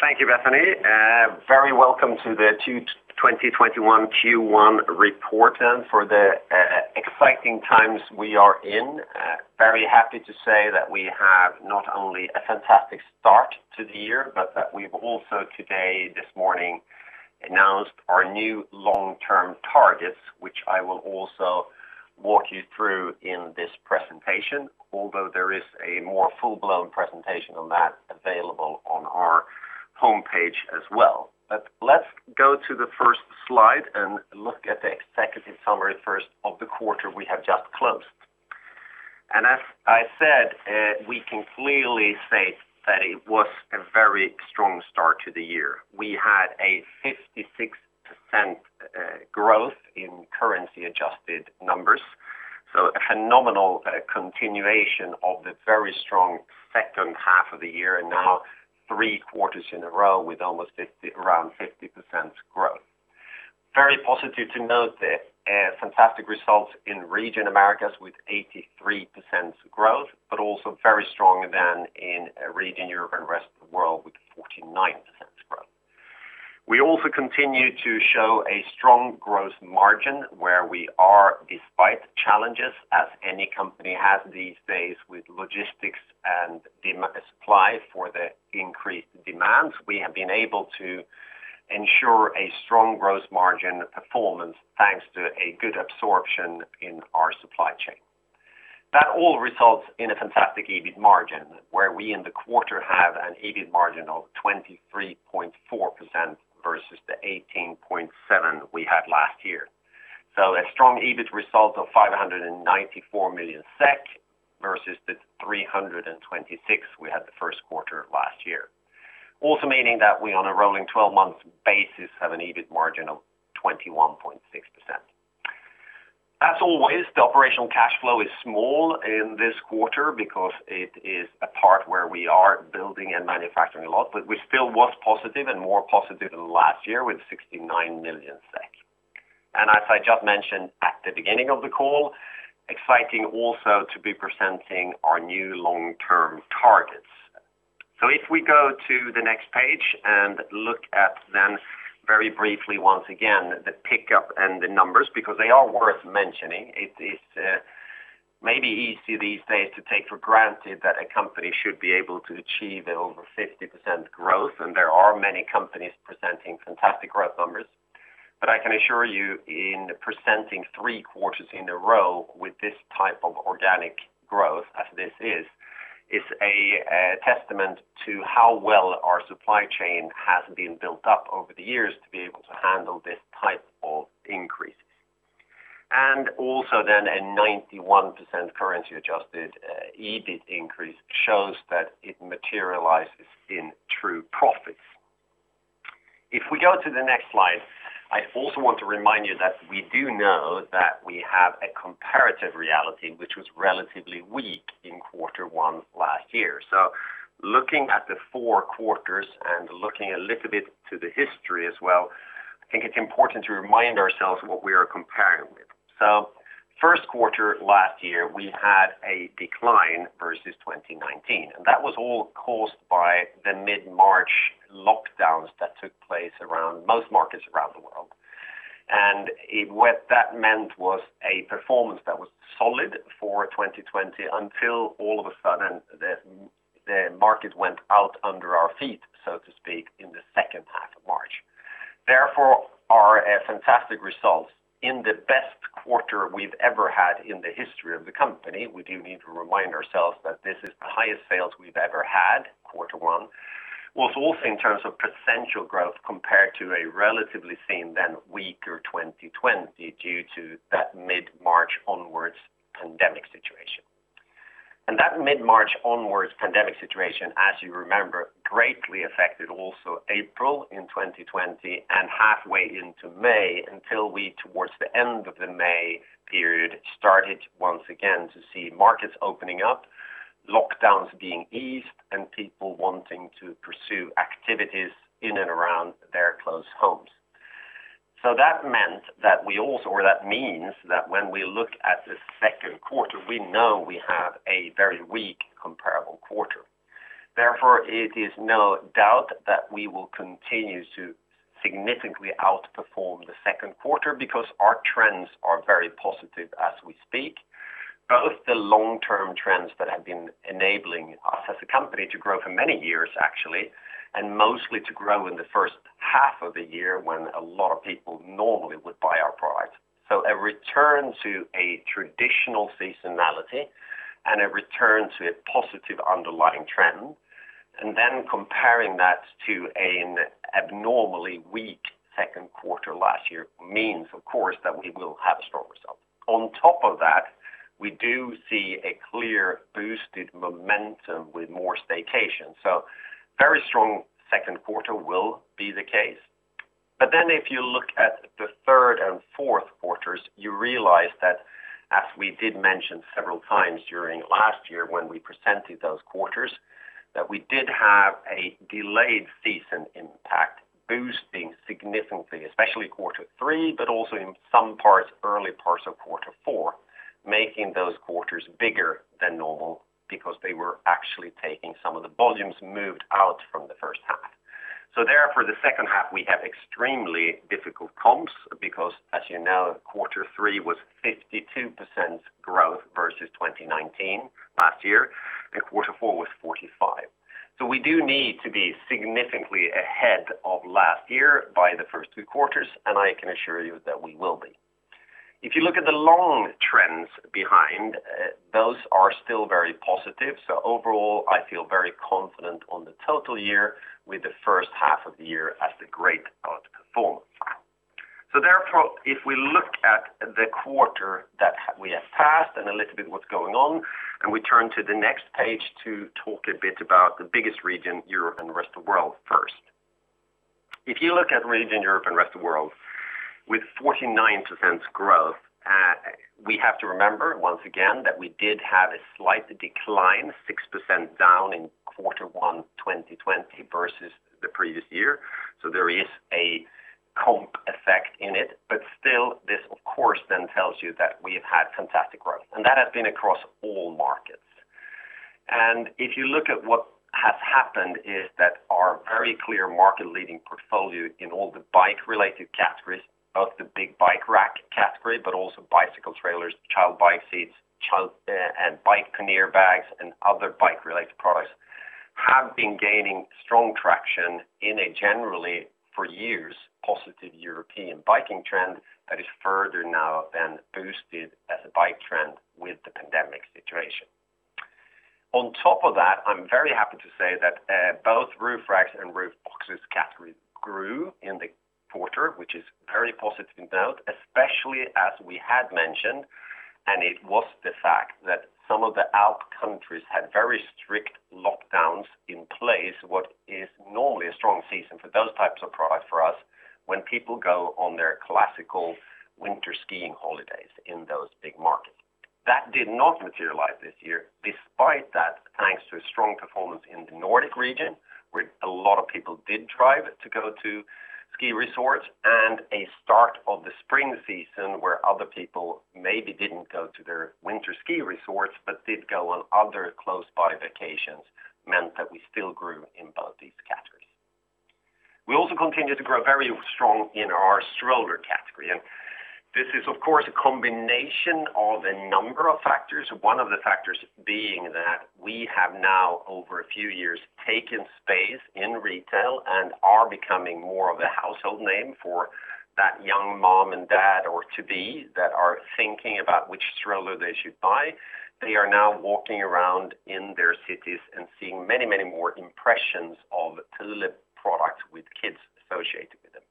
Thank you, Bethany. Very welcome to the 2021 Q1 report, and for the exciting times we are in. Very happy to say that we have not only a fantastic start to the year, but that we've also today, this morning, announced our new long-term targets, which I will also walk you through in this presentation, although there is a more full-blown presentation on that available on our homepage as well. Let's go to the first slide and look at the executive summary first of the quarter we have just closed. As I said, we can clearly say that it was a very strong start to the year. We had a 56% growth in currency-adjusted numbers, so a phenomenal continuation of the very strong second half of the year, and now three quarters in a row with around 50% growth. Very positive to note the fantastic results in Region Americas with 83% growth, also very strong then in Region Europe and rest of the world with 49% growth. We also continue to show a strong gross margin where we are, despite challenges as any company has these days with logistics and the supply for the increased demand. We have been able to ensure a strong gross margin performance thanks to a good absorption in our supply chain. That all results in a fantastic EBIT margin, where we in the quarter have an EBIT margin of 23.4% versus the 18.7% we had last year. A strong EBIT result of 594 million SEK versus the 326 SEK we had the first quarter of last year. Meaning that we on a rolling 12 months basis have an EBIT margin of 21.6%. As always, the operational cash flow is small in this quarter because it is a part where we are building and manufacturing a lot, but we still was positive and more positive than last year with 69 million SEK. As I just mentioned at the beginning of the call, exciting also to be presenting our new long-term targets. If we go to the next page and look at then very briefly once again the pickup and the numbers, because they are worth mentioning. It is maybe easy these days to take for granted that a company should be able to achieve over 50% growth, and there are many companies presenting fantastic growth numbers. I can assure you in presenting three quarters in a row with this type of organic growth as this is, it's a testament to how well our supply chain has been built up over the years to be able to handle this type of increase. A 91% currency-adjusted EBIT increase shows that it materializes in true profits. We go to the next slide, I also want to remind you that we do know that we have a comparative reality which was relatively weak in quarter one last year. Looking at the four quarters and looking a little bit to the history as well, I think it's important to remind ourselves what we are comparing with. First quarter last year, we had a decline versus 2019, and that was all caused by the mid-March lockdowns that took place around most markets around the world. What that meant was a performance that was solid for 2020 until all of a sudden, the market went out under our feet, so to speak, in the second half of March. Our fantastic results in the best quarter we've ever had in the history of the company, we do need to remind ourselves that this is the highest sales we've ever had, quarter one, was also in terms of percentual growth compared to a relatively seen then weaker 2020 due to that mid-March onwards pandemic situation. That mid-March onwards pandemic situation, as you remember, greatly affected also April in 2020 and halfway into May, until we towards the end of the May period, started once again to see markets opening up, lockdowns being eased, and people wanting to pursue activities in and around their closed homes. That means that when we look at the second quarter, we know we have a very weak comparable quarter. Therefore, it is no doubt that we will continue to significantly outperform the second quarter because our trends are very positive as we speak. Both the long-term trends that have been enabling us as a company to grow for many years actually, and mostly to grow in the first half of the year when a lot of people normally would buy our product. A return to a traditional seasonality and a return to a positive underlying trend, and then comparing that to an abnormally weak second quarter last year means, of course, that we will have a strong result. On top of that, we do see a clear boosted momentum with more staycation. Very strong second quarter will be the case. If you look at the third and fourth quarters, you realize that as we did mention several times during last year when we presented those quarters, that we did have a delayed season in, boosting significantly, especially quarter three, but also in some early parts of quarter four, making those quarters bigger than normal because they were actually taking some of the volumes moved out from the first half. Therefore, the second half we have extremely difficult comps because as you know, quarter three was 52% growth versus 2019 last year, and quarter four was 45%. We do need to be significantly ahead of last year by the first two quarters, and I can assure you that we will be. If you look at the long trends behind, those are still very positive. Overall, I feel very confident on the total year with the first half of the year as the great outperformance. Therefore, if we look at the quarter that we have passed and a little bit what's going on, can we turn to the next page to talk a bit about the biggest Region Europe and the rest of world first. If you look at Region Europe and rest of world with 49% growth, we have to remember once again that we did have a slight decline, 6% down in quarter one 2020 versus the previous year. There is a comp effect in it, but still this of course then tells you that we have had fantastic growth, and that has been across all markets. If you look at what has happened is that our very clear market leading portfolio in all the bike related categories, both the big bike rack category, but also bicycle trailers, child bike seats, and bike pannier bags and other bike related products have been gaining strong traction in a generally, for years, positive European biking trend that is further now than boosted as a bike trend with the pandemic situation. On top of that, I am very happy to say that both roof racks and roof boxes category grew in the quarter, which is very positive note, especially as we had mentioned, and it was the fact that some of the Alp countries had very strict lockdowns in place, what is normally a strong season for those types of products for us when people go on their classical winter skiing holidays in those big markets. That did not materialize this year. Despite that, thanks to a strong performance in the Nordic region, where a lot of people did drive to go to ski resorts and a start of the spring season where other people maybe didn't go to their winter ski resorts, but did go on other close body vacations, meant that we still grew in both these categories. We also continue to grow very strong in our stroller category, and this is of course a combination of a number of factors. One of the factors being that we have now, over a few years, taken space in retail and are becoming more of a household name for that young mum and dad or to-be that are thinking about which stroller they should buy. They are now walking around in their cities and seeing many, many more impressions of Thule products with kids associated with them.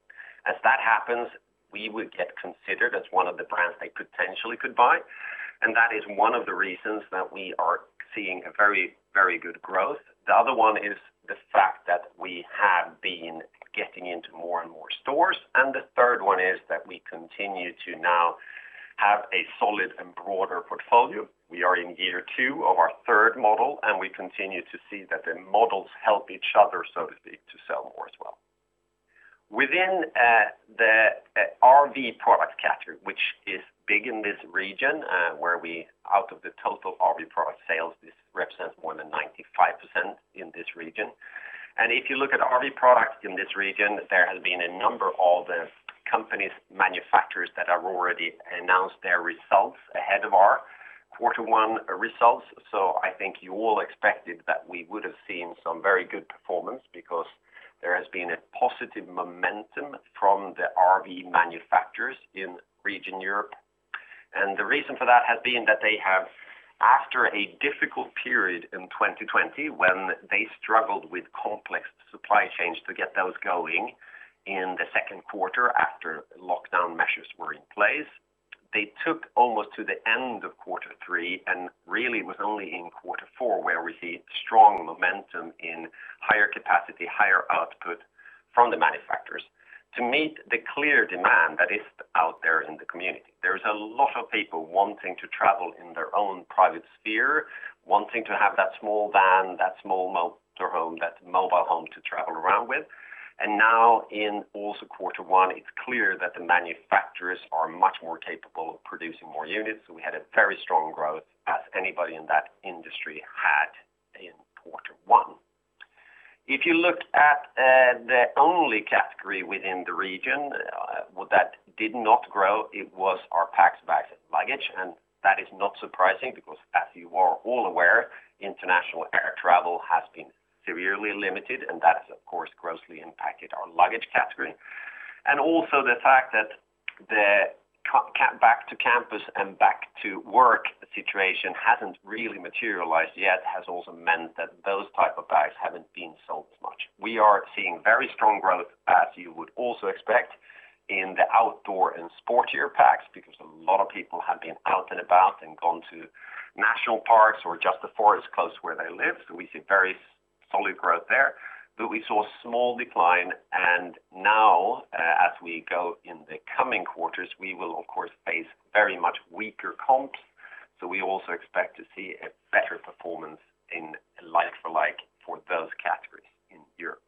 As that happens, we would get considered as one of the brands they potentially could buy, and that is one of the reasons that we are seeing a very good growth. The other one is the fact that we have been getting into more and more stores, and the third one is that we continue to now have a solid and broader portfolio. We are in year two of our third model, and we continue to see that the models help each other, so to speak, to sell more as well. Within the RV product category, which is big in this region, where we out of the total RV product sales, this represents more than 95% in this region. If you look at RV Products in this region, there has been a number of the companies, manufacturers that have already announced their results ahead of our quarter one results. I think you all expected that we would have seen some very good performance because there has been a positive momentum from the RV manufacturers in region Europe. The reason for that has been that they have, after a difficult period in 2020 when they struggled with complex supply chains to get those going in the second quarter after lockdown measures were in place. They took almost to the end of quarter three and really was only in quarter four where we see strong momentum in higher capacity, higher output from the manufacturers to meet the clear demand that is out there in the community. There's a lot of people wanting to travel in their own private sphere, wanting to have that small van, that small motor home, that mobile home to travel around with. Now in also quarter one, it's clear that the manufacturers are much more capable of producing more units. We had a very strong growth as anybody in that industry had in quarter one. If you looked at the only category within the region that did not grow, it was our packs, bags, and luggage. That is not surprising because as you are all aware, international air travel has been severely limited, and that has of course grossly impacted our luggage category. Also the fact that the back to campus and back to work situation hasn't really materialized yet has also meant that those type of bags haven't been sold much. We are seeing very strong growth, as you would also expect in the outdoor and sportier packs, because a lot of people have been out and about and gone to national parks or just the forest close where they live. We see very solid growth there, but we saw a small decline. Now we go in the coming quarters, we will, of course, face very much weaker comps. We also expect to see a better performance in like-for-like for those categories in Europe.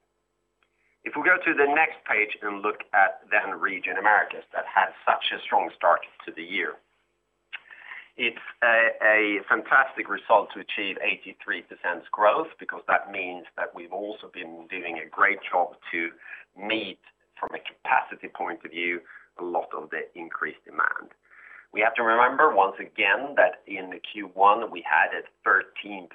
We go to the next page and look at Region Americas that had such a strong start to the year. It's a fantastic result to achieve 83% growth because that means that we've also been doing a great job to meet from a capacity point of view, a lot of the increased demand. We have to remember once again, that in the Q1, we had a 13%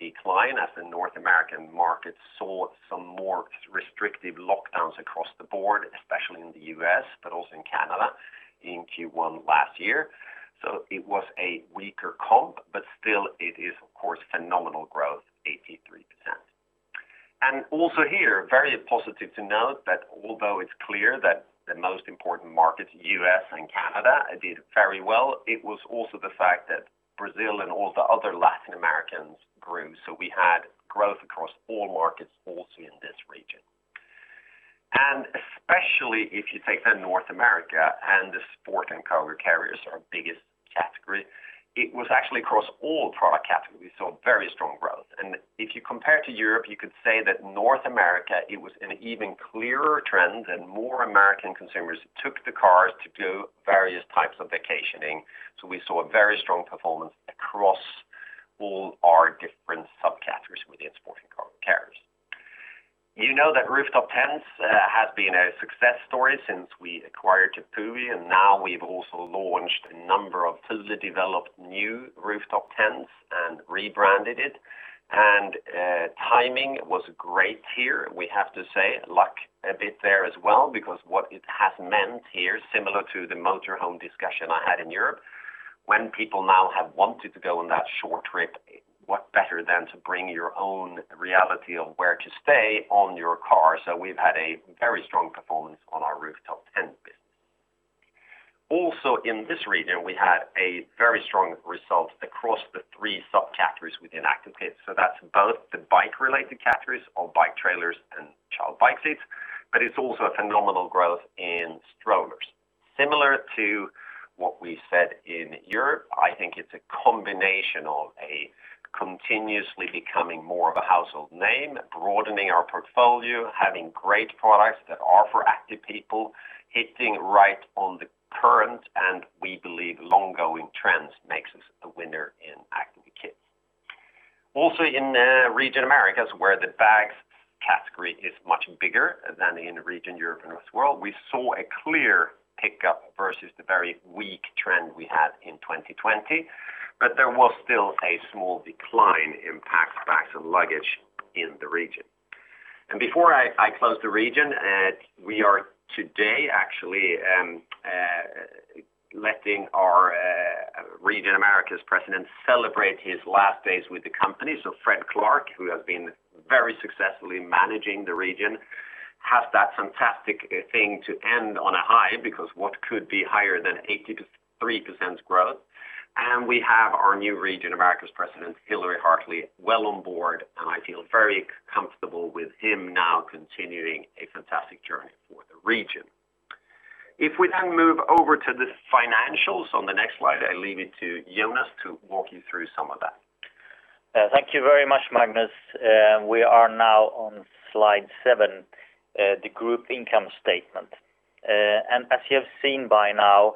decline as the North American market saw some more restrictive lockdowns across the board, especially in the U.S., but also in Canada, in Q1 last year. It was a weaker comp, but still it is, of course, phenomenal growth, 83%. Also here, very positive to note that although it is clear that the most important markets, U.S. and Canada, did very well, it was also the fact that Brazil and all the other Latin Americans grew. We had growth across all markets also in this region. Especially if you take then North America and the Sport & Cargo Carriers, our biggest category, it was actually across all product categories we saw very strong growth. If you compare to Europe, you could say that North America, it was an even clearer trend and more American consumers took the cars to do various types of vacationing. We saw a very strong performance across all our different subcategories within Sport & Cargo Carriers. You know that rooftop tents has been a success story since we acquired Thule, and now we've also launched a number of Thule-developed new rooftop tents and rebranded it. Timing was great here. We have to say luck a bit there as well because what it has meant here, similar to the motor home discussion I had in Europe, when people now have wanted to go on that short trip, what better than to bring your own reality of where to stay on your car? We've had a very strong performance on our rooftop tent biz. Also in this region, we had a very strong result across the three subcategories within Active with Kids. That's both the bike-related categories of bike trailers and child bike seats, but it's also a phenomenal growth in strollers. Similar to what we said in Europe, I think it's a combination of a continuously becoming more of a household name, broadening our portfolio, having great products that are for active people, hitting right on the current, and we believe long going trends makes us a winner in Active with Kids. Also in region Americas, where the bags category is much bigger than in region Europe and rest world, we saw a clear pickup versus the very weak trend we had in 2020, but there was still a small decline in packed bags and luggage in the region. Before I close the Region, we are today actually letting our Region Americas President celebrate his last days with the company. Fred Clark, who has been very successfully managing the Region, has that fantastic thing to end on a high because what could be higher than 83% growth? We have our new Region Americas President, Hilary Hartley, well on board, and I feel very comfortable with him now continuing a fantastic journey for the Region. If we move over to the financials on the next slide, I leave it to Jonas to walk you through some of that. Thank you very much, Magnus. We are now on slide seven, the group income statement. As you have seen by now,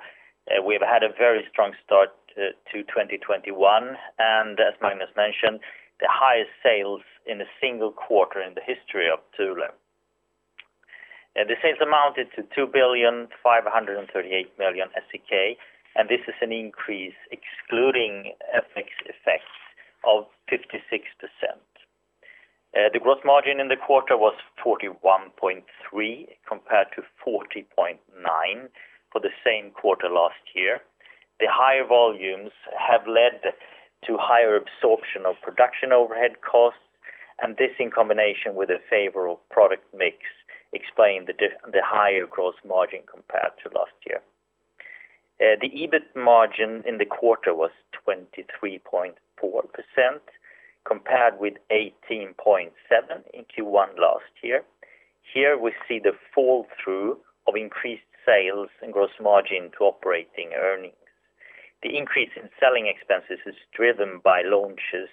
we've had a very strong start to 2021, and as Magnus mentioned, the highest sales in a single quarter in the history of Thule. The sales amounted to 2,538,000,000 SEK, and this is an increase excluding FX effects of 56%. The gross margin in the quarter was 41.3% compared to 40.9% for the same quarter last year. The higher volumes have led to higher absorption of production overhead costs, and this in combination with a favorable product mix, explain the higher gross margin compared to last year. The EBIT margin in the quarter was 23.4% compared with 18.7% in Q1 last year. Here we see the fall through of increased sales and gross margin to operating earnings. The increase in selling expenses is driven by launches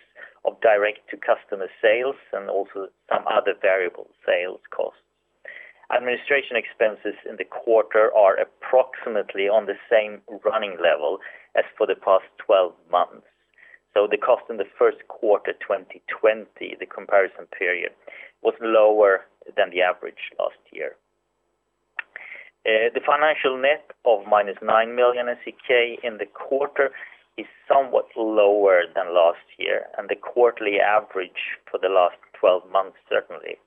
of direct-to-consumer sales and also some other variable sales costs. Administration expenses in the quarter are approximately on the same running level as for the past 12 months. The cost in the first quarter 2020, the comparison period, was lower than the average last year. The financial net of - 9 million SEK in the quarter is somewhat lower than last year and the quarterly average for the last 12 months, certainly.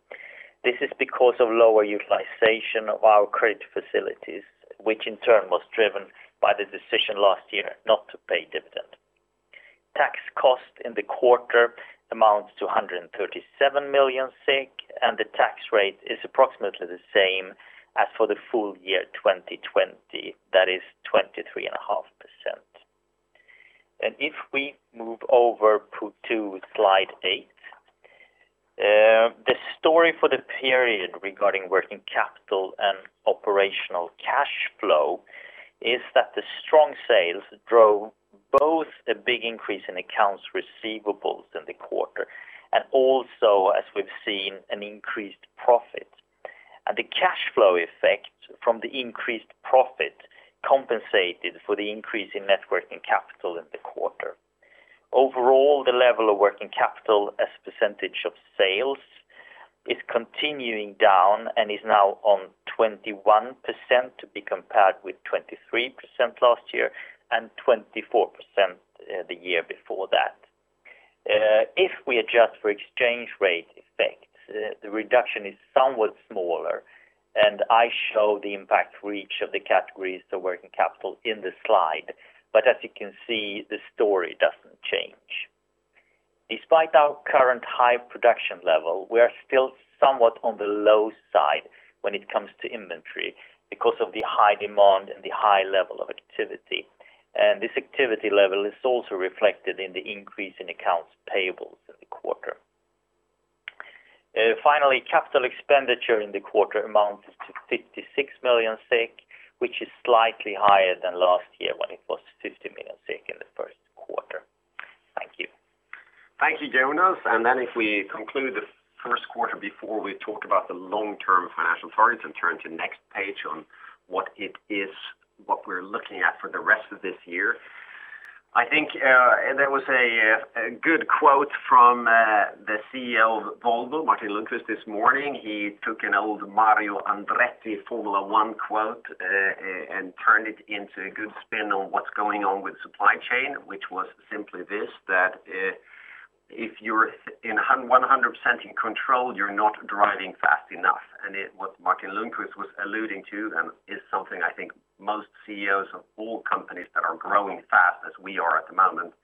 This is because of lower utilization of our credit facilities, which in turn was driven by the decision last year not to pay dividend. Tax cost in the quarter amounts to 137 million SEK, and the tax rate is approximately the same as for the full year 2020, that is 23.5%. If we move over to slide eight. The story for the period regarding working capital and operational cash flow is that the strong sales drove both a big increase in accounts receivables in the quarter, and also, as we've seen, an increased profit. The cash flow effect from the increased profit compensated for the increase in net working capital in the quarter. Overall, the level of working capital as a percentage of sales is continuing down and is now on 21%, to be compared with 23% last year and 24% the year before that. If we adjust for exchange rate effects, the reduction is somewhat smaller, and I show the impact for each of the categories to working capital in the slide. As you can see, the story doesn't change. Despite our current high production level, we are still somewhat on the low side when it comes to inventory because of the high demand and the high level of activity. This activity level is also reflected in the increase in accounts payables in the quarter. Finally, capital expenditure in the quarter amounts to 56 million, which is slightly higher than last year when it was 50 million in the first quarter. Thank you. Thank you, Jonas. If we conclude the first quarter before we talk about the long-term financial targets and turn to next page on what we're looking at for the rest of this year. I think there was a good quote from the CEO of Volvo, Martin Lundstedt, this morning. He took an old Mario Andretti Formula One quote and turned it into a good spin on what's going on with supply chain, which was simply this, that if you're 100% in control, you're not driving fast enough. What Martin Lundstedt was alluding to then is something I think most CEOs of all companies that are growing fast, as we are at the moment,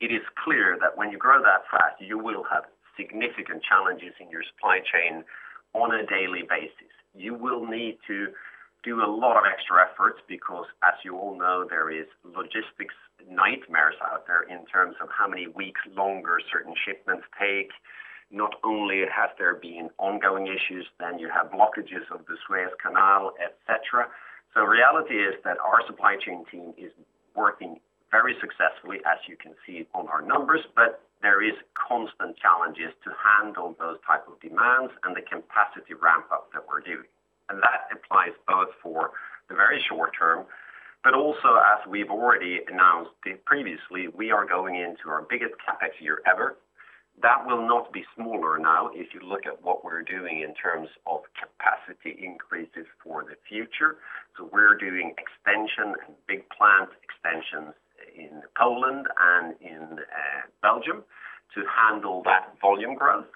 it is clear that when you grow that fast, you will have significant challenges in your supply chain on a daily basis. You will need to do a lot of extra efforts because, as you all know, there is logistics nightmares out there in terms of how many weeks longer certain shipments take. Not only have there been ongoing issues, then you have blockages of the Suez Canal, et cetera. Reality is that our supply chain team is working very successfully, as you can see on our numbers, but there is constant challenges to handle those type of demands and the capacity ramp-up that we're doing. That applies both for the very short term, but also, as we've already announced previously, we are going into our biggest CapEx year ever. That will not be smaller now if you look at what we're doing in terms of capacity increases for the future. We're doing extension and big plant expansions in Poland and in Belgium to handle that volume growth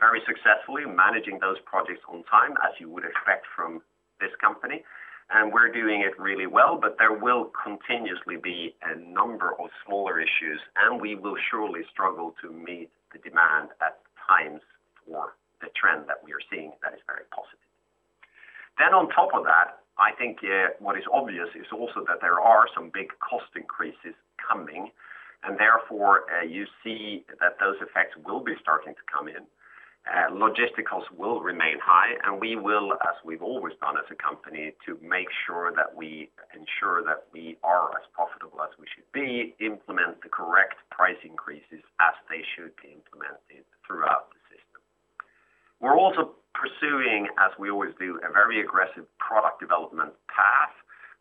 very successfully, managing those projects on time, as you would expect from this company, and we're doing it really well. There will continuously be a number of smaller issues, and we will surely struggle to meet the demand at times for the trend that we are seeing that is very positive. On top of that, I think what is obvious is also that there are some big cost increases coming, and therefore, you see that those effects will be starting to come in. Logistics will remain high, and we will, as we've always done as a company, to make sure that we ensure that we are as profitable as we should be, implement the correct price increases as they should be implemented throughout the system. We're also pursuing, as we always do, a very aggressive product development path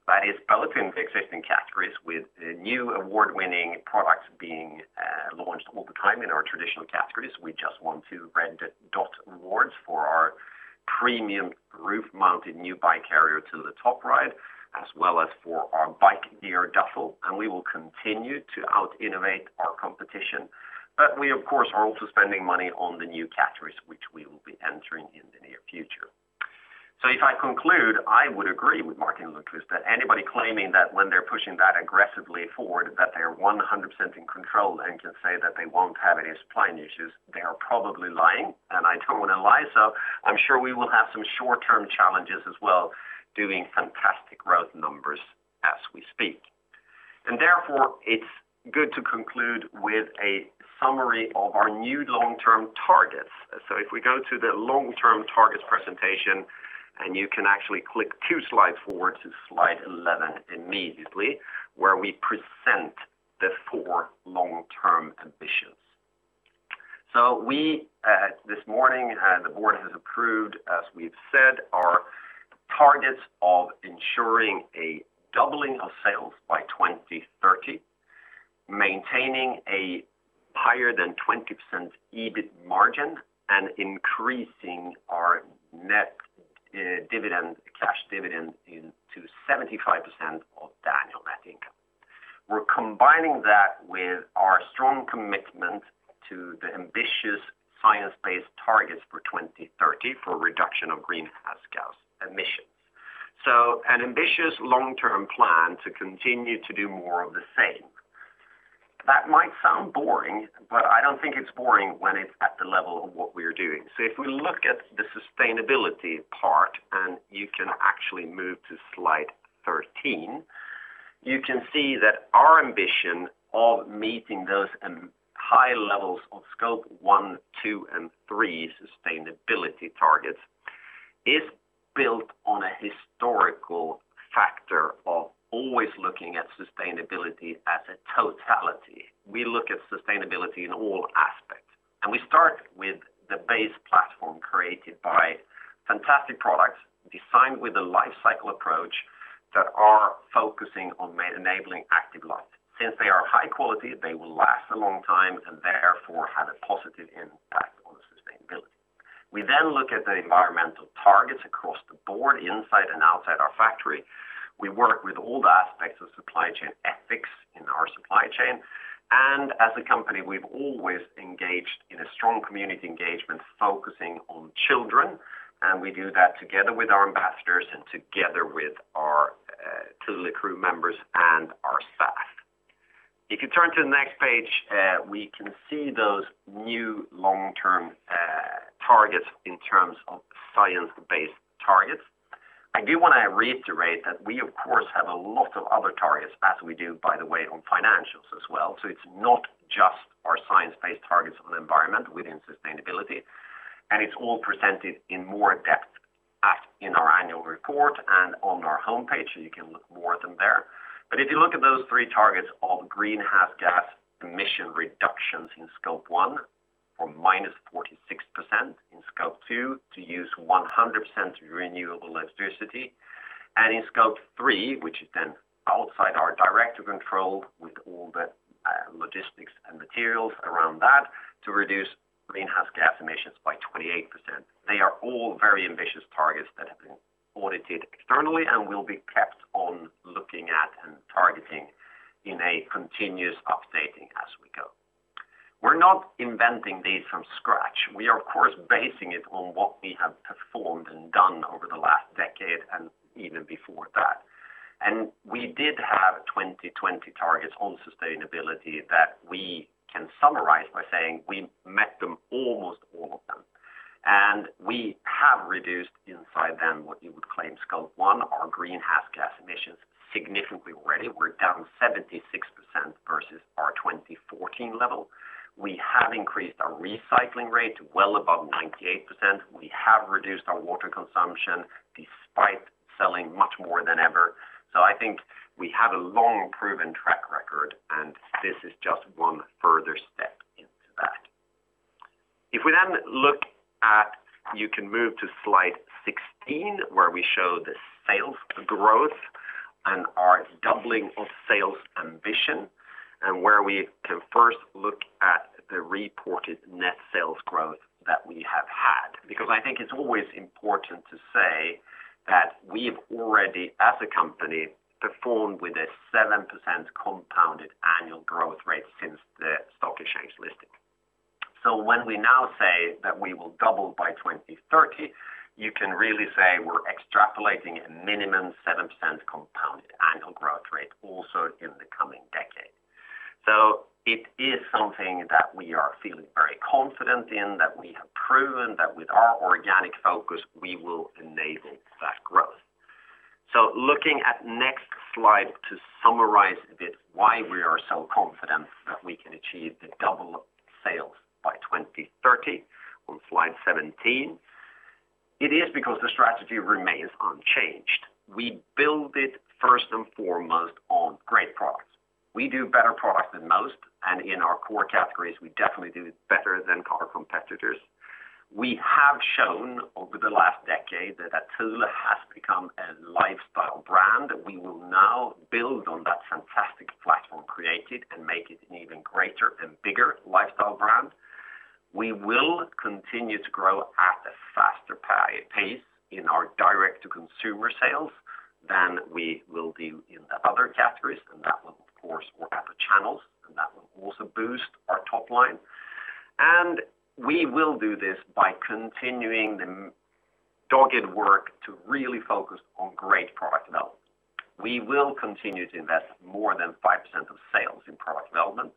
that is both in the existing categories with new award-winning products being launched all the time in our traditional categories. We just won two Red Dot awards for our premium roof-mounted new bike carrier, Thule TopRide, as well as for our Thule RoundTrip Bike Duffel. We will continue to out-innovate our competition. We, of course, are also spending money on the new categories, which we will be entering in the near future. If I conclude, I would agree with Martin Lundstedt, that anybody claiming that when they're pushing that aggressively forward that they are 100% in control and can say that they won't have any supply issues, they are probably lying, and I don't want to lie. I'm sure we will have some short-term challenges as well, doing fantastic growth numbers as we speak. Therefore, it's good to conclude with a summary of our new long-term targets. If we go to the long-term targets presentation, and you can actually click two slides forward to slide 11 immediately, where we present the four long-term ambitions. We, this morning, the board has approved, as we've said, our targets of ensuring a doubling of sales by 2030, maintaining a higher than 20% EBIT margin, and increasing our net cash dividend to 75% of annual net income. We're combining that with our strong commitment to the ambitious science-based targets for 2030 for a reduction of greenhouse gas emissions. An ambitious long-term plan to continue to do more of the same. That might sound boring, but I don't think it's boring when it's at the level of what we're doing. If we look at the sustainability part, and you can actually move to slide 13. You can see that our ambition of meeting those high levels of Scope one, two, and three sustainability targets is built on a historical factor of always looking at sustainability as a totality. We look at sustainability in all aspects, and we start with the base platform created by fantastic products designed with a life cycle approach that are focusing on enabling active lives. Since they are high quality, they will last a long time and therefore have a positive impact on sustainability. We then look at the environmental targets across the board, inside and outside our factory. We work with all the aspects of supply chain ethics in our supply chain. As a company, we've always engaged in a strong community engagement focusing on children. We do that together with our ambassadors and together with our Thule crew members and our staff. You turn to the next page, we can see those new long-term targets in terms of science-based targets. I do want to reiterate that we, of course, have a lot of other targets, as we do, by the way, on financials as well. It's not just our science-based targets on the environment within sustainability. It's all presented in more depth in our annual report and on our homepage, you can look more at them there. If you look at those three targets of greenhouse gas emission reductions in Scope one or -46%, in Scope two, to use 100% renewable electricity, and in Scope three, which is then outside our direct control with all the logistics and materials around that, to reduce greenhouse gas emissions by 28%. They are all very ambitious targets that have been audited externally and will be kept on looking at and targeting in a continuous updating as we go. We're not inventing these from scratch. We are, of course, basing it on what we have performed and done over the last decade and even before that. We did have 2020 targets on sustainability that we can summarize by saying we met them, almost all of them. We have reduced inside them what you would claim Scope one, our greenhouse gas emissions significantly already. We're down 76% versus our 2014 level. We have increased our recycling rate to well above 98%. We have reduced our water consumption despite selling much more than ever. I think we have a long-proven track record, and this is just one further step into that. If we then look at, you can move to slide 16, where we show the sales growth and our doubling of sales ambition, and where we can first look at the reported net sales growth that we have had. Because I think it's always important to say that we've already, as a company, performed with a 7% compounded annual growth rate since the stock exchange listing. When we now say that we will double by 2030, you can really say we're extrapolating a minimum 7% compounded annual growth rate also in the coming decade. It is something that we are feeling very confident in, that we have proven that with our organic focus, we will enable that growth. Looking at next slide to summarize a bit why we are so confident that we can achieve the double sales by 2030 on slide 17. It is because the strategy remains unchanged. We build it first and foremost on great products. We do better products than most, and in our core categories, we definitely do better than our competitors. We have shown over the last decade that Thule has become a lifestyle brand. We will now build on that fantastic platform created and make it an even greater and bigger lifestyle brand. We will continue to grow at a faster pace in our direct-to-consumer sales than we will do in the other categories, and that will, of course, work other channels, and that will also boost our top line. We will do this by continuing the dogged work to really focus on great product development. We will continue to invest more than 5% of sales in product development.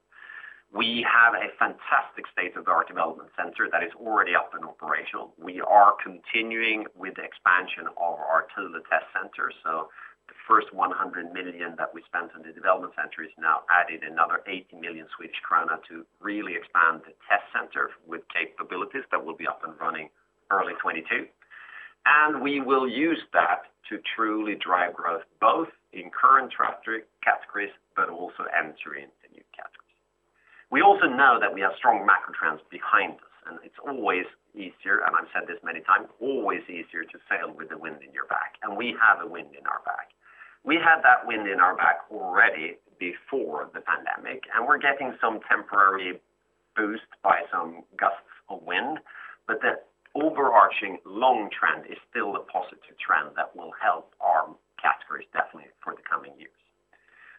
We have a fantastic state-of-the-art development center that is already up and operational. We are continuing with the expansion of our Thule test center. The first 100 million that we spent on the development center has now added another 80 million Swedish krona to really expand the test center with capabilities that will be up and running early 2022. We will use that to truly drive growth, both in current categories, but also entering the new categories. We also know that we have strong macro trends behind us, and it's always easier, and I've said this many times, always easier to sail with the wind in your back. We have a wind in our back. We had that wind in our back already before the pandemic, and we're getting some temporary boost by some gusts of wind. The overarching long trend is still a positive trend that will help our categories definitely for the coming years.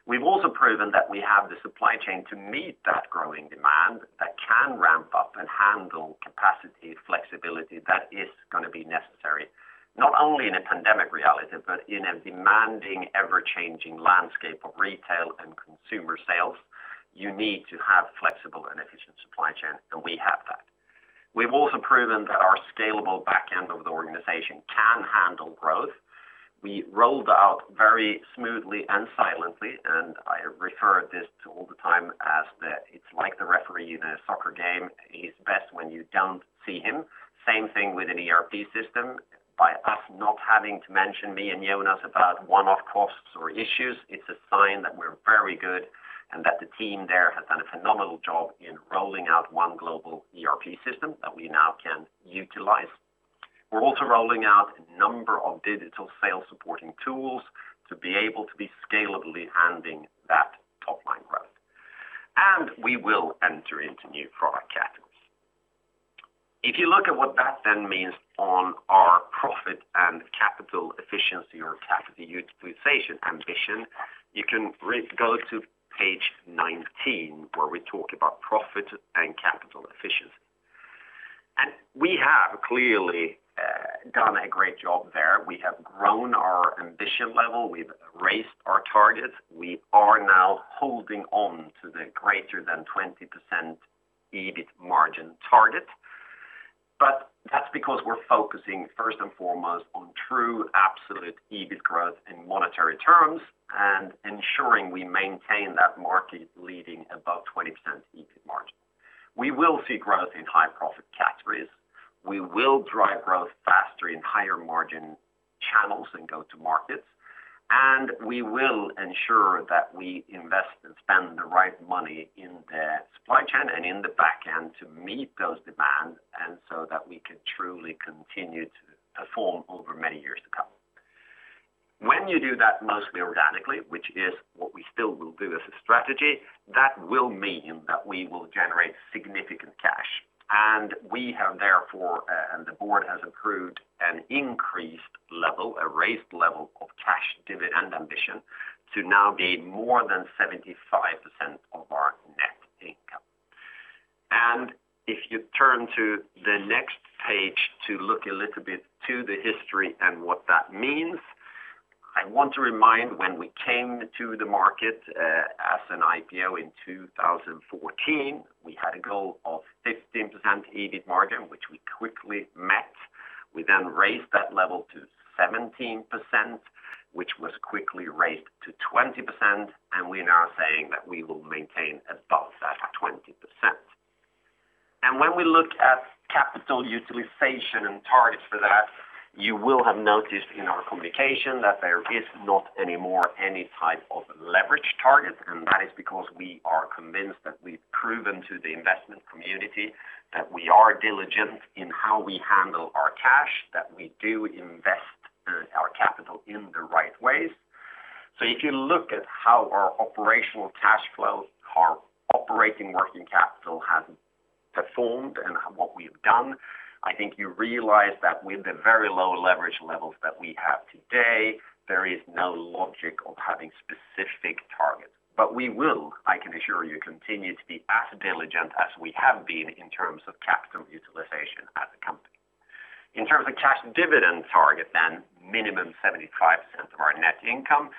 We've also proven that we have the supply chain to meet that growing demand that can ramp up and handle capacity flexibility that is going to be necessary not only in a pandemic reality but in a demanding, ever-changing landscape of retail and consumer sales. You need to have flexible and efficient supply chain, and we have that. We've also proven that our scalable back end of the organization can handle growth. We rolled out very smoothly and silently, and I refer this all the time as it's like the referee in a soccer game. He's best when you don't see him. Same thing with an ERP system. By us not having to mention me and Jonas about one-off costs or issues, it's a sign that we're very good and that the team there has done a phenomenal job in rolling out one global ERP system that we now can utilize. We're also rolling out a number of digital sales supporting tools to be able to be scalably handling that top-line growth. We will enter into new product categories. If you look at what that means on our profit and capital efficiency or capital utilization ambition, you can go to page 19 where we talk about profit and capital efficiency. We have clearly done a great job there. We have grown our ambition level. We've raised our target. We are now holding on to the greater than 20% EBIT margin target. That's because we're focusing first and foremost on true absolute EBIT growth in monetary terms and ensuring we maintain that market leading above 20% EBIT margin. We will see growth in high profit categories. We will drive growth faster in higher margin channels and go to markets, and we will ensure that we invest and spend the right money in the supply chain and in the back end to meet those demands and so that we can truly continue to perform over many years to come. When you do that mostly organically, which is what we still will do as a strategy, that will mean that we will generate significant cash. We have therefore, and the board has approved an increased level, a raised level of cash dividend ambition to now be more than 75% of our net income. If you turn to the next page to look a little bit to the history and what that means, I want to remind when we came to the market, as an IPO in 2014, we had a goal of 15% EBIT margin, which we quickly met. We raised that level to 17%, which was quickly raised to 20%, We are now saying that we will maintain above that 20%. When we look at capital utilization and targets for that, you will have noticed in our communication that there is not any more any type of leverage target. That is because we are convinced that we've proven to the investment community that we are diligent in how we handle our cash, that we do invest our capital in the right ways. If you look at how our operational cash flows, our operating working capital has performed and what we've done, I think you realize that with the very low leverage levels that we have today, there is no logic of having specific targets. We will, I can assure you, continue to be as diligent as we have been in terms of capital utilization as a company. In terms of cash dividend target, then minimum 75% of our net income.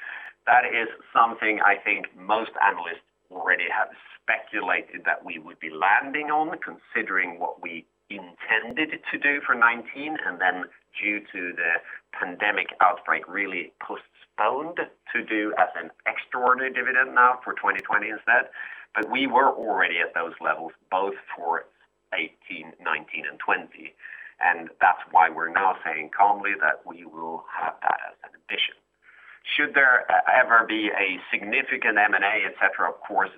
That is something I think most analysts already have speculated that we would be landing on, considering what we intended to do for 2019, and then due to the pandemic outbreak, really postponed to do as an extraordinary dividend now for 2020 instead. We were already at those levels both for 2018, 2019, and 2020, and that's why we're now saying calmly that we will have that as an ambition. Should there ever be a significant M&A, et cetera, of course,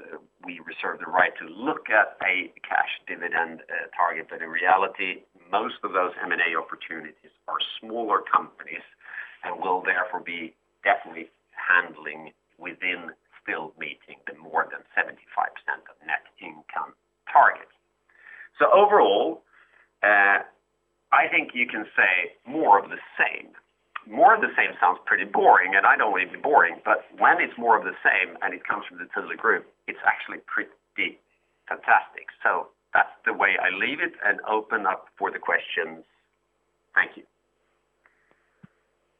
we reserve the right to look at a cash dividend target. In reality, most of those M&A opportunities are smaller companies and will therefore be definitely handling within still meeting the more than 75% of net income target. Overall, I think you can say more of the same. More of the same sounds pretty boring, and I don't want to be boring, but when it's more of the same and it comes from the Thule Group, it's actually pretty fantastic. That's the way I leave it and open up for the questions. Thank you.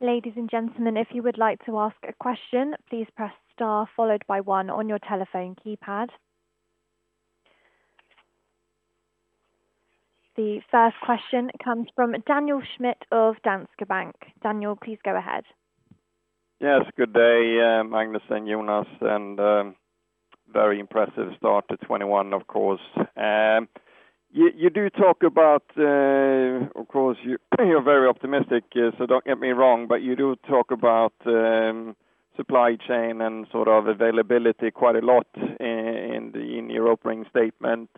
Ladies and gentlemen, if you would like to ask a question, please press star followed by one on your telephone keypad. The first question comes from Daniel Schmidt of Danske Bank. Daniel, please go ahead. Yes. Good day, Magnus and Jonas, very impressive start to 2021, of course. You're very optimistic, so don't get me wrong, but you do talk about supply chain and sort of availability quite a lot in your opening statement.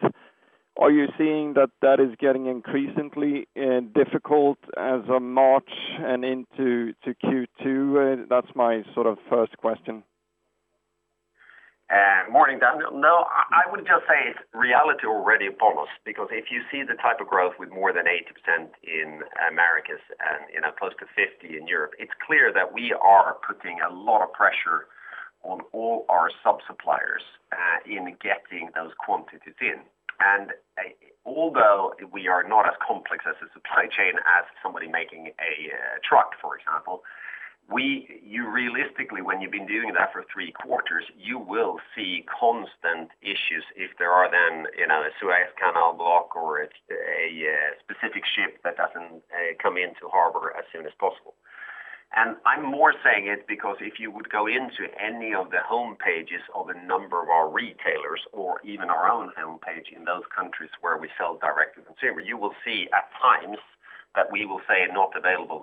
Are you seeing that that is getting increasingly difficult as of March and into Q2? That's my sort of first question. Morning, Daniel. No, I would just say it's reality already upon us because if you see the type of growth with more than 80% in Americas and close to 50% in Europe, it's clear that we are putting a lot of pressure on all our sub-suppliers, in getting those quantities in. Although we are not as complex as a supply chain as somebody making a truck, for example. Realistically, when you've been doing that for three quarters, you will see constant issues if there are then a Suez Canal block or it's a specific ship that doesn't come into harbor as soon as possible. I'm more saying it because if you would go into any of the homepages of a number of our retailers or even our own homepage in those countries where we sell direct-to-consumer, you will see at times that we will say, "Not available."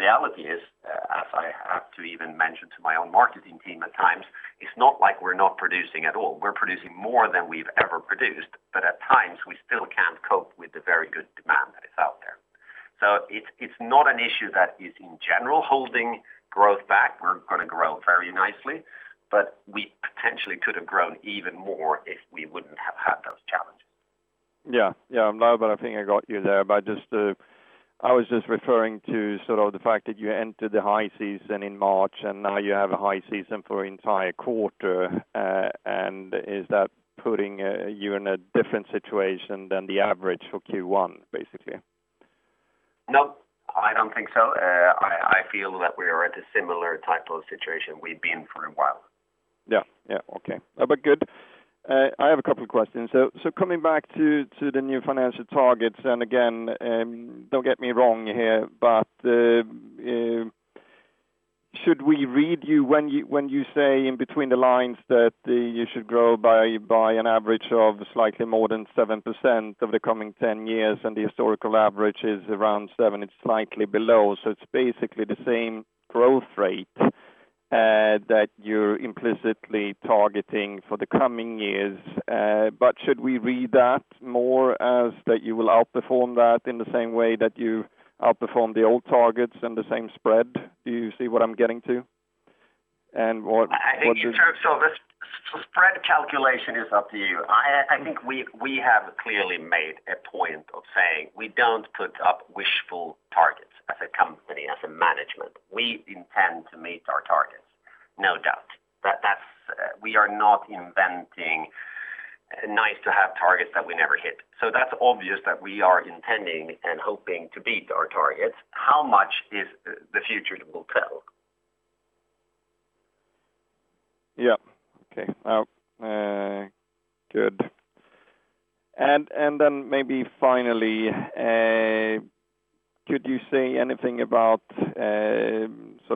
Reality is, as I have to even mention to my own marketing team at times, it's not like we're not producing at all. We're producing more than we've ever produced, but at times we still can't cope with the very good demand that is out there. It's not an issue that is in general holding growth back. We're going to grow very nicely, but we potentially could have grown even more if we wouldn't have had those challenges. Yeah. I think I got you there. I was just referring to the fact that you entered the high season in March and now you have a high season for entire quarter. Is that putting you in a different situation than the average for Q1, basically? No, I don't think so. I feel that we are at a similar type of situation we've been for a while. Yeah. Okay. Good. I have a couple of questions. Coming back to the new financial targets, again, don't get me wrong here, should we read you when you say in between the lines that you should grow by an average of slightly more than 7% over the coming 10 years and the historical average is around seven, it's slightly below. It's basically the same growth rate that you're implicitly targeting for the coming years. Should we read that more as that you will outperform that in the same way that you outperformed the old targets and the same spread? Do you see what I'm getting to? I think the spread calculation is up to you. I think we have clearly made a point of saying we don't put up wishful targets as a company, as a management. We intend to meet our targets, no doubt. We are not inventing nice to have targets that we never hit. That's obvious that we are intending and hoping to beat our targets. How much is the future will tell. Yeah. Okay. Good. Maybe finally, could you say anything about,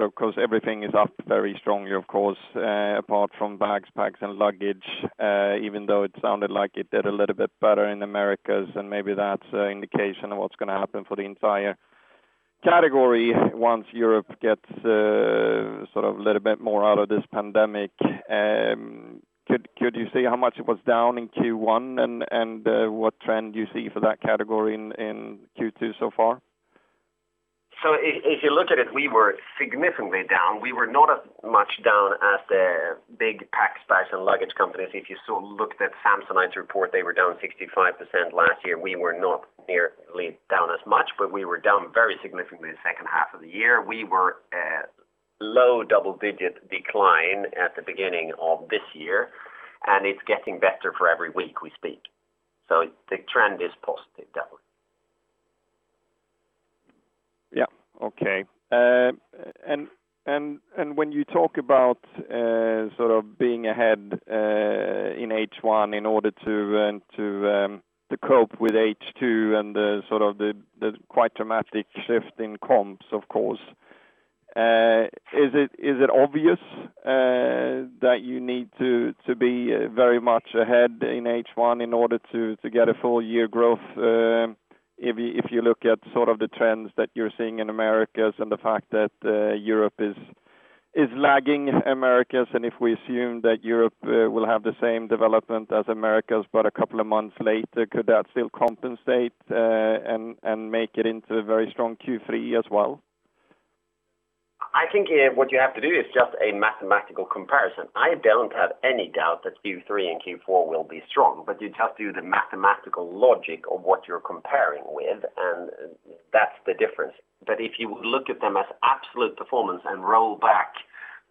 because everything is up very strongly, of course, apart from bags, packs, and luggage, even though it sounded like it did a little bit better in Americas, and maybe that's an indication of what's going to happen for the entire category once Europe gets a little bit more out of this pandemic. Could you say how much it was down in Q1 and what trend you see for that category in Q2 so far? If you look at it, we were significantly down. We were not as much down as the big packs, bags, and luggage companies. If you looked at Samsonite's report, they were down 65% last year. We were not nearly down as much, but we were down very significantly the second half of the year. We were at low double-digit decline at the beginning of this year, and it's getting better for every week we speak. The trend is positive that way. Yeah. Okay. When you talk about being ahead, in H1 in order to cope with H2 and the quite dramatic shift in comps, of course, is it obvious that you need to be very much ahead in H1 in order to get a full year growth? If you look at the trends that you're seeing in Americas and the fact that Europe is lagging Americas, and if we assume that Europe will have the same development as Americas but a couple of months later, could that still compensate and make it into a very strong Q3 as well? I think what you have to do is just a mathematical comparison. I don't have any doubt that Q3 and Q4 will be strong, but you just do the mathematical logic of what you're comparing with, and that's the difference. If you look at them as absolute performance and roll back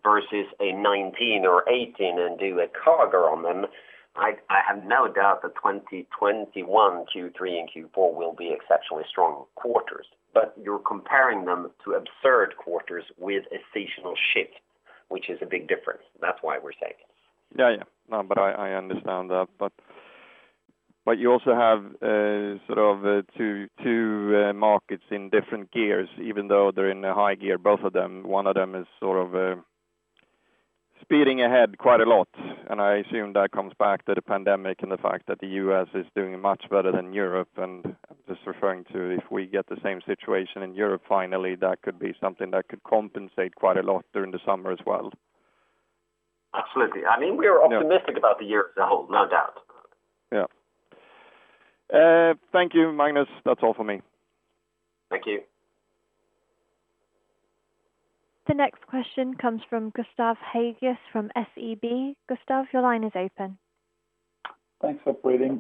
versus a 2019 or 2018 and do a CAGR on them, I have no doubt that 2021 Q3 and Q4 will be exceptionally strong quarters. You're comparing them to absurd quarters with a seasonal shift, which is a big difference. That's why we're saying it. Yeah. No, I understand that. You also have two markets in different gears, even though they're in a high gear, both of them. One of them is speeding ahead quite a lot, I assume that comes back to the pandemic and the fact that the U.S. is doing much better than Europe. I'm just referring to if we get the same situation in Europe, finally, that could be something that could compensate quite a lot during the summer as well. Absolutely. I mean, we are optimistic about the year as a whole, no doubt. Yeah. Thank you, Magnus. That's all for me. Thank you. The next question comes from Gustav Hagéus from SEB. Gustav, your line is open. Thanks, Operator.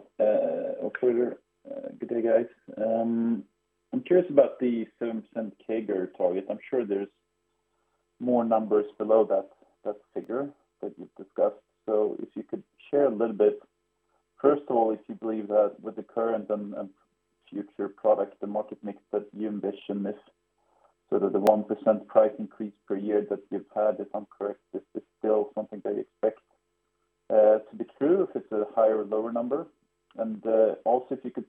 Good day, guys. I'm curious about the 7% CAGR target. I'm sure there's more numbers below that figure that you've discussed. If you could share a little bit, first of all, if you believe that with the current and future products, the market mix, that the ambition is so that the 1% price increase per year that you've had, if I'm correct, is this still something that you expect to be true? If it's a higher or lower number? Also, if you could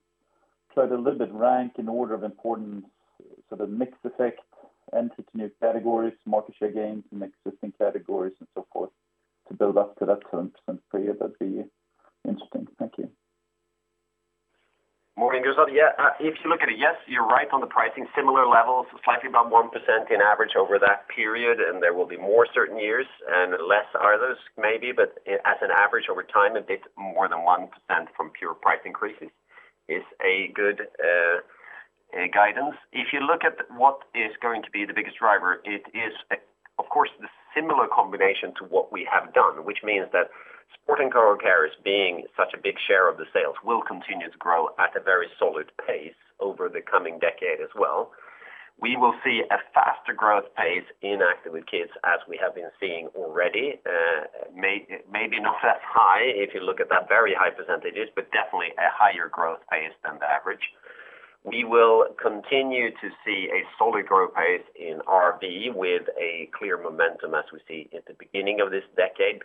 try to little bit rank in order of importance, sort of mix effect, entry to new categories, market share gains in existing categories and so forth, to build up to that 7% for you, that'd be interesting. Thank you. Morning. If you look at it, yes, you're right on the pricing. Similar levels, slightly above 1% in average over that period, and there will be more certain years and less others maybe. As an average over time, I think more than 1% from pure price increases is a good guidance. If you look at what is going to be the biggest driver, it is, of course, the similar combination to what we have done, which means that Sport & Cargo Carriers being such a big share of the sales, will continue to grow at a very solid pace over the coming decade as well. We will see a faster growth pace in Active with Kids, as we have been seeing already. Maybe not as high if you look at that very high percentages, but definitely a higher growth pace than the average. We will continue to see a solid growth pace in RV, with a clear momentum as we see at the beginning of this decade.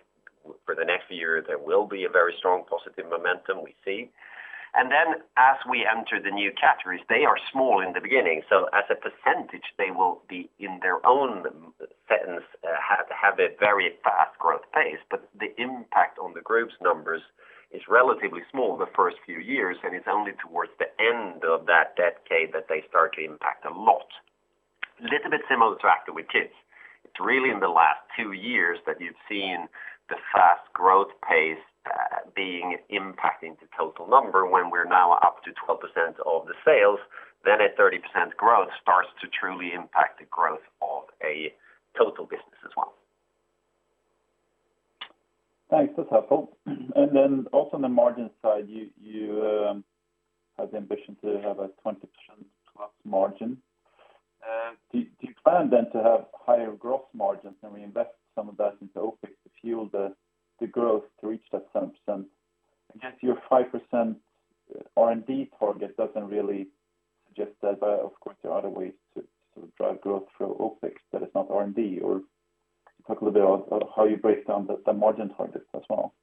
For the next year, there will be a very strong positive momentum, we see. As we enter the new categories, they are small in the beginning, so as a %, they will be in their own sense, have a very fast growth pace. The impact on the Group's numbers is relatively small the first few years, and it's only towards the end of that decade that they start to impact a lot. Little bit similar to Active with Kids. It's really in the last two years that you've seen the fast growth pace being impacting the total number, when we're now up to 12% of the sales, then a 30% growth starts to truly impact the growth of a total business as well. Thanks. That's helpful. Then also on the margin side, you have the ambition to have a 20%-plus margin. Do you plan then to have higher gross margins and reinvest some of that into OpEx to fuel the growth to reach that 7%? I guess your 5% R&D target doesn't really suggest that, but of course, there are other ways to drive growth through OpEx that is not R&D, or could you talk a little bit on how you break down the margin targets as well?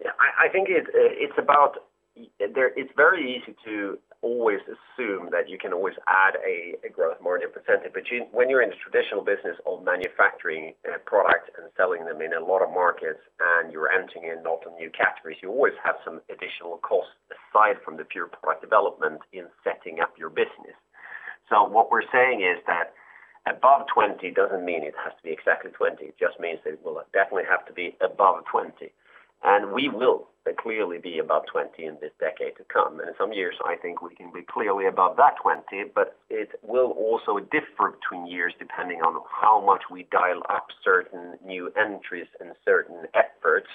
Yeah. I think it's very easy to always assume that you can always add a gross margin %. When you're in the traditional business of manufacturing a product and selling them in a lot of markets, and you're entering in lots of new categories, you always have some additional costs aside from the pure product development in setting up your business. What we're saying is that above 20 doesn't mean it has to be exactly 20, it just means that it will definitely have to be above 20. We will clearly be above 20 in this decade to come. In some years, I think we can be clearly above that 20, but it will also differ between years depending on how much we dial up certain new entries and certain efforts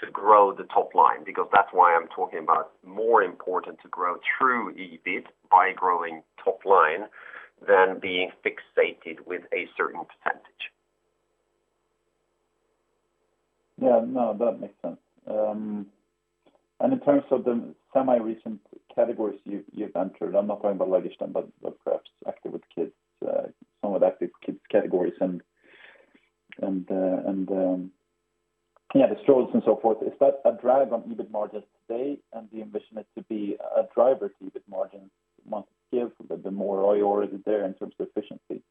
to grow the top line, because that's why I'm talking about more important to grow true EBIT by growing top line than being fixated with a certain percentage. Yeah. No, that makes sense. In terms of the semi-recent categories you have entered, I am not talking about luggage then, but perhaps Active with Kids, some of the Active Kids categories and the strollers and so forth. Is that a drag on EBIT margins today and the ambition is to be a driver to EBIT margins months give, the more ROI is it there in terms of efficiency?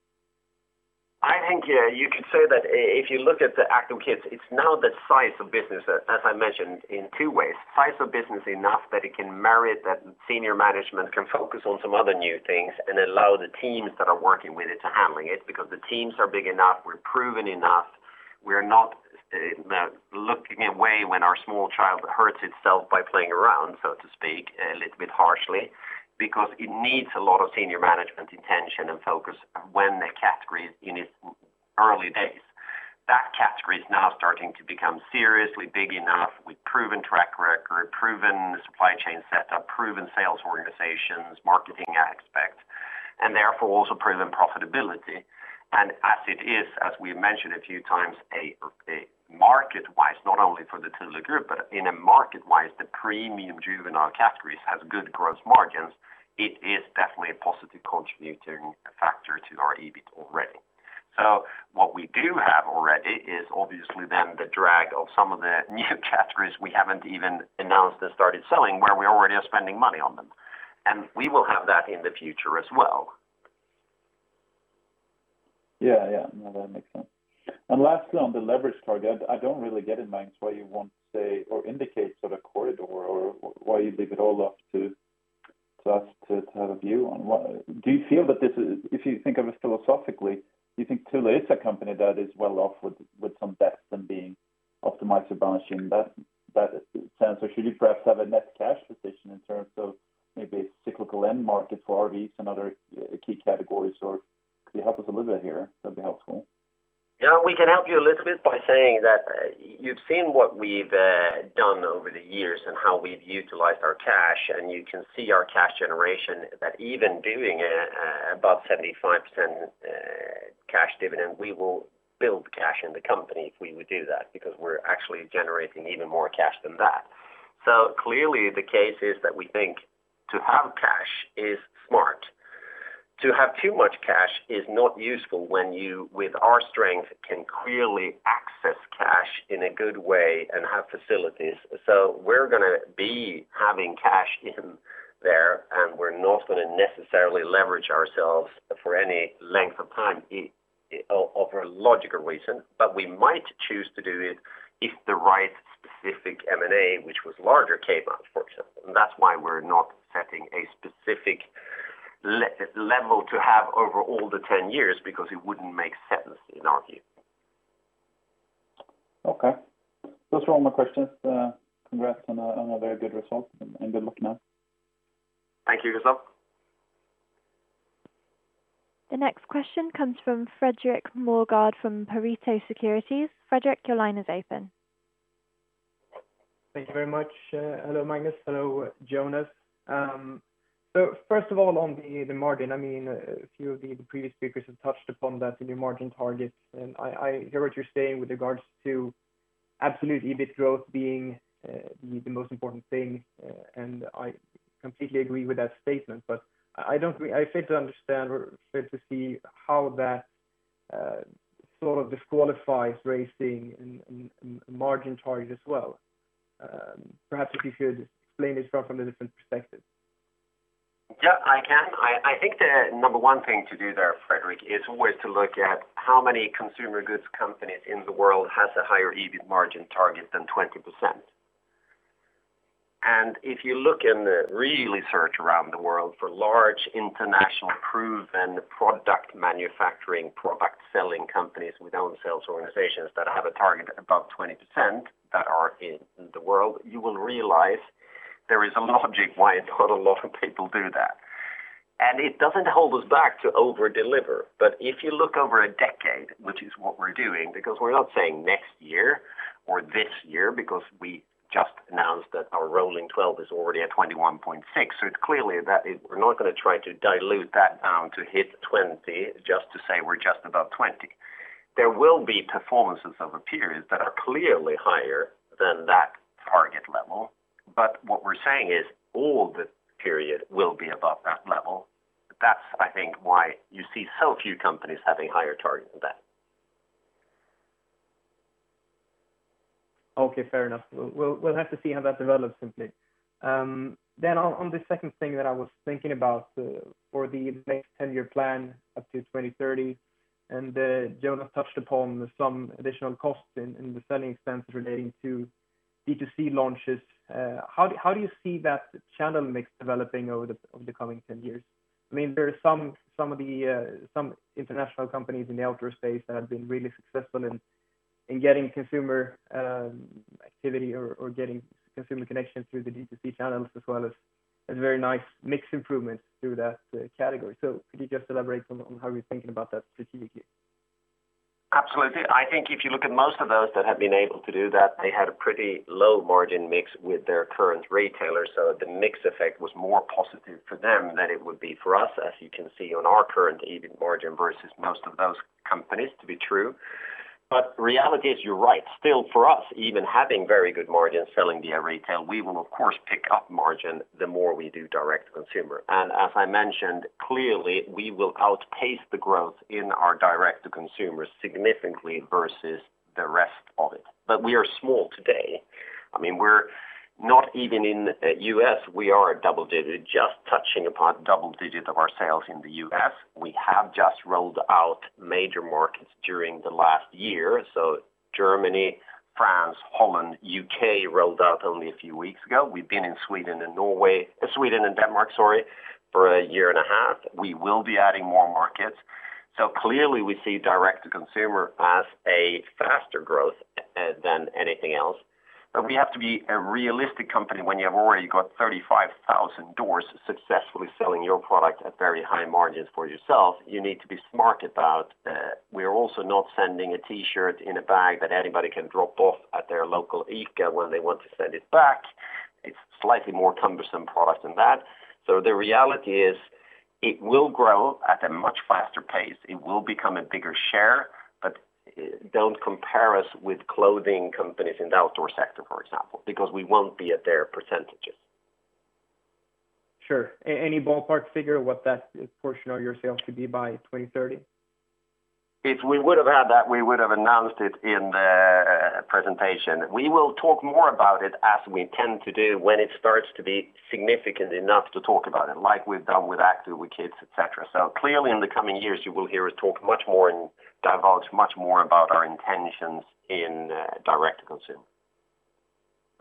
I think you could say that if you look at the Active with Kids, it's now the size of business, as I mentioned, in two ways. Size of business enough that it can merit that senior management can focus on some other new things and allow the teams that are working with it to handling it, because the teams are big enough, we're proven enough. We're not looking away when our small child hurts itself by playing around, so to speak, a little bit harshly, because it needs a lot of senior management attention and focus when the category is in its early days. That category is now starting to become seriously big enough with proven track record, proven supply chain setup, proven sales organizations, marketing aspects, and therefore also proven profitability. As it is, as we've mentioned a few times, market-wise, not only for the Thule Group, but in a market-wise, the premium juvenile categories has good gross margins. It is definitely a positive contributing factor to our EBIT already. What we do have already is obviously then the drag of some of the new categories we haven't even announced and started selling, where we already are spending money on them. We will have that in the future as well. Yeah. No, that makes sense. Lastly, on the leverage target, I don't really get in mind why you won't say or indicate sort of corridor or why you leave it all up to us to have a view on. If you think of it philosophically, do you think Thule is a company that is well off with some debt than being optimized for balance sheet? Or should you perhaps have a net cash position in terms of maybe cyclical end market for RVs and other key categories? Could you help us a little bit here? That'd be helpful. We can help you a little bit by saying that you've seen what we've done over the years and how we've utilized our cash, and you can see our cash generation that even doing above 75% cash dividend, we will build cash in the company if we would do that because we're actually generating even more cash than that. Clearly the case is that we think to have cash is smart. To have too much cash is not useful when you, with our strength, can clearly access cash in a good way and have facilities. We're going to be having cash in there, and we're not going to necessarily leverage ourselves for any length of time of a logical reason. We might choose to do it if the right specific M&A, which was larger, came up, for example, and that's why we're not setting a specific level to have over all the 10 years because it wouldn't make sense in our view. Okay. Those were all my questions. Congrats on another good result, and good luck now. Thank you, Gustav. The next question comes from Fredrik Morgård from Pareto Securities. Fredrik, your line is open. Thank you very much. Hello, Magnus. Hello, Jonas. First of all, on the margin, a few of the previous speakers have touched upon that, the new margin targets. I hear what you're saying with regards to absolute EBIT growth being the most important thing, and I completely agree with that statement. I fail to understand or fail to see how that sort of disqualifies raising a margin target as well. Perhaps if you could explain it from a different perspective. Yeah, I can. I think the number one thing to do there, Fredrik, is always to look at how many consumer goods companies in the world has a higher EBIT margin target than 20%. If you look and really search around the world for large international proven product manufacturing, product selling companies with own sales organizations that have a target above 20% that are in the world, you will realize there is a logic why not a lot of people do that. It doesn't hold us back to over-deliver. If you look over a decade, which is what we're doing, because we're not saying next year or this year, because we just announced that our rolling 12 is already at 21.6%. It's clearly that we're not going to try to dilute that down to hit 20%, just to say we're just above 20%. There will be performances over periods that are clearly higher than that target level. What we're saying is all the period will be above that level. That's, I think, why you see so few companies having a higher target than that. Okay, fair enough. We'll have to see how that develops, simply. On the second thing that I was thinking about for the next 10-year plan up to 2030, Jonas touched upon some additional costs in the selling expense relating to D2C launches. How do you see that channel mix developing over the coming 10 years? There are some international companies in the outdoor space that have been really successful in getting consumer activity or getting consumer connection through the D2C channels as well as very nice mix improvements through that category. Could you just elaborate on how you're thinking about that strategically? Absolutely. I think if you look at most of those that have been able to do that, they had a pretty low margin mix with their current retailers. The mix effect was more positive for them than it would be for us, as you can see on our current EBIT margin versus most of those companies to be true. Reality is you're right. Still for us, even having very good margins selling via retail, we will of course pick up margin the more we do direct-to-consumer. As I mentioned, clearly, we will outpace the growth in our direct-to-consumer significantly versus the rest of it. We are small today. We're not even in U.S., we are double-digit, just touching upon double digit of our sales in the U.S. We have just rolled out major markets during the last year. Germany, France, Holland, U.K. rolled out only a few weeks ago. We've been in Sweden and Denmark, sorry, for a year and a half. We will be adding more markets. Clearly we see direct-to-consumer as a faster growth than anything else. We have to be a realistic company when you have already got 35,000 doors successfully selling your product at very high margins for yourself. You need to be smart about that. We're also not sending a T-shirt in a bag that anybody can drop off at their local ICA when they want to send it back. It's slightly more cumbersome product than that. The reality is it will grow at a much faster pace. It will become a bigger share, don't compare us with clothing companies in the outdoor sector, for example, because we won't be at their %. Sure. Any ballpark figure what that portion of your sales could be by 2030? If we would have had that, we would have announced it in the presentation. We will talk more about it as we tend to do when it starts to be significant enough to talk about it, like we've done with Active with Kids, et cetera. Clearly in the coming years, you will hear us talk much more and divulge much more about our intentions in direct-to-consumer.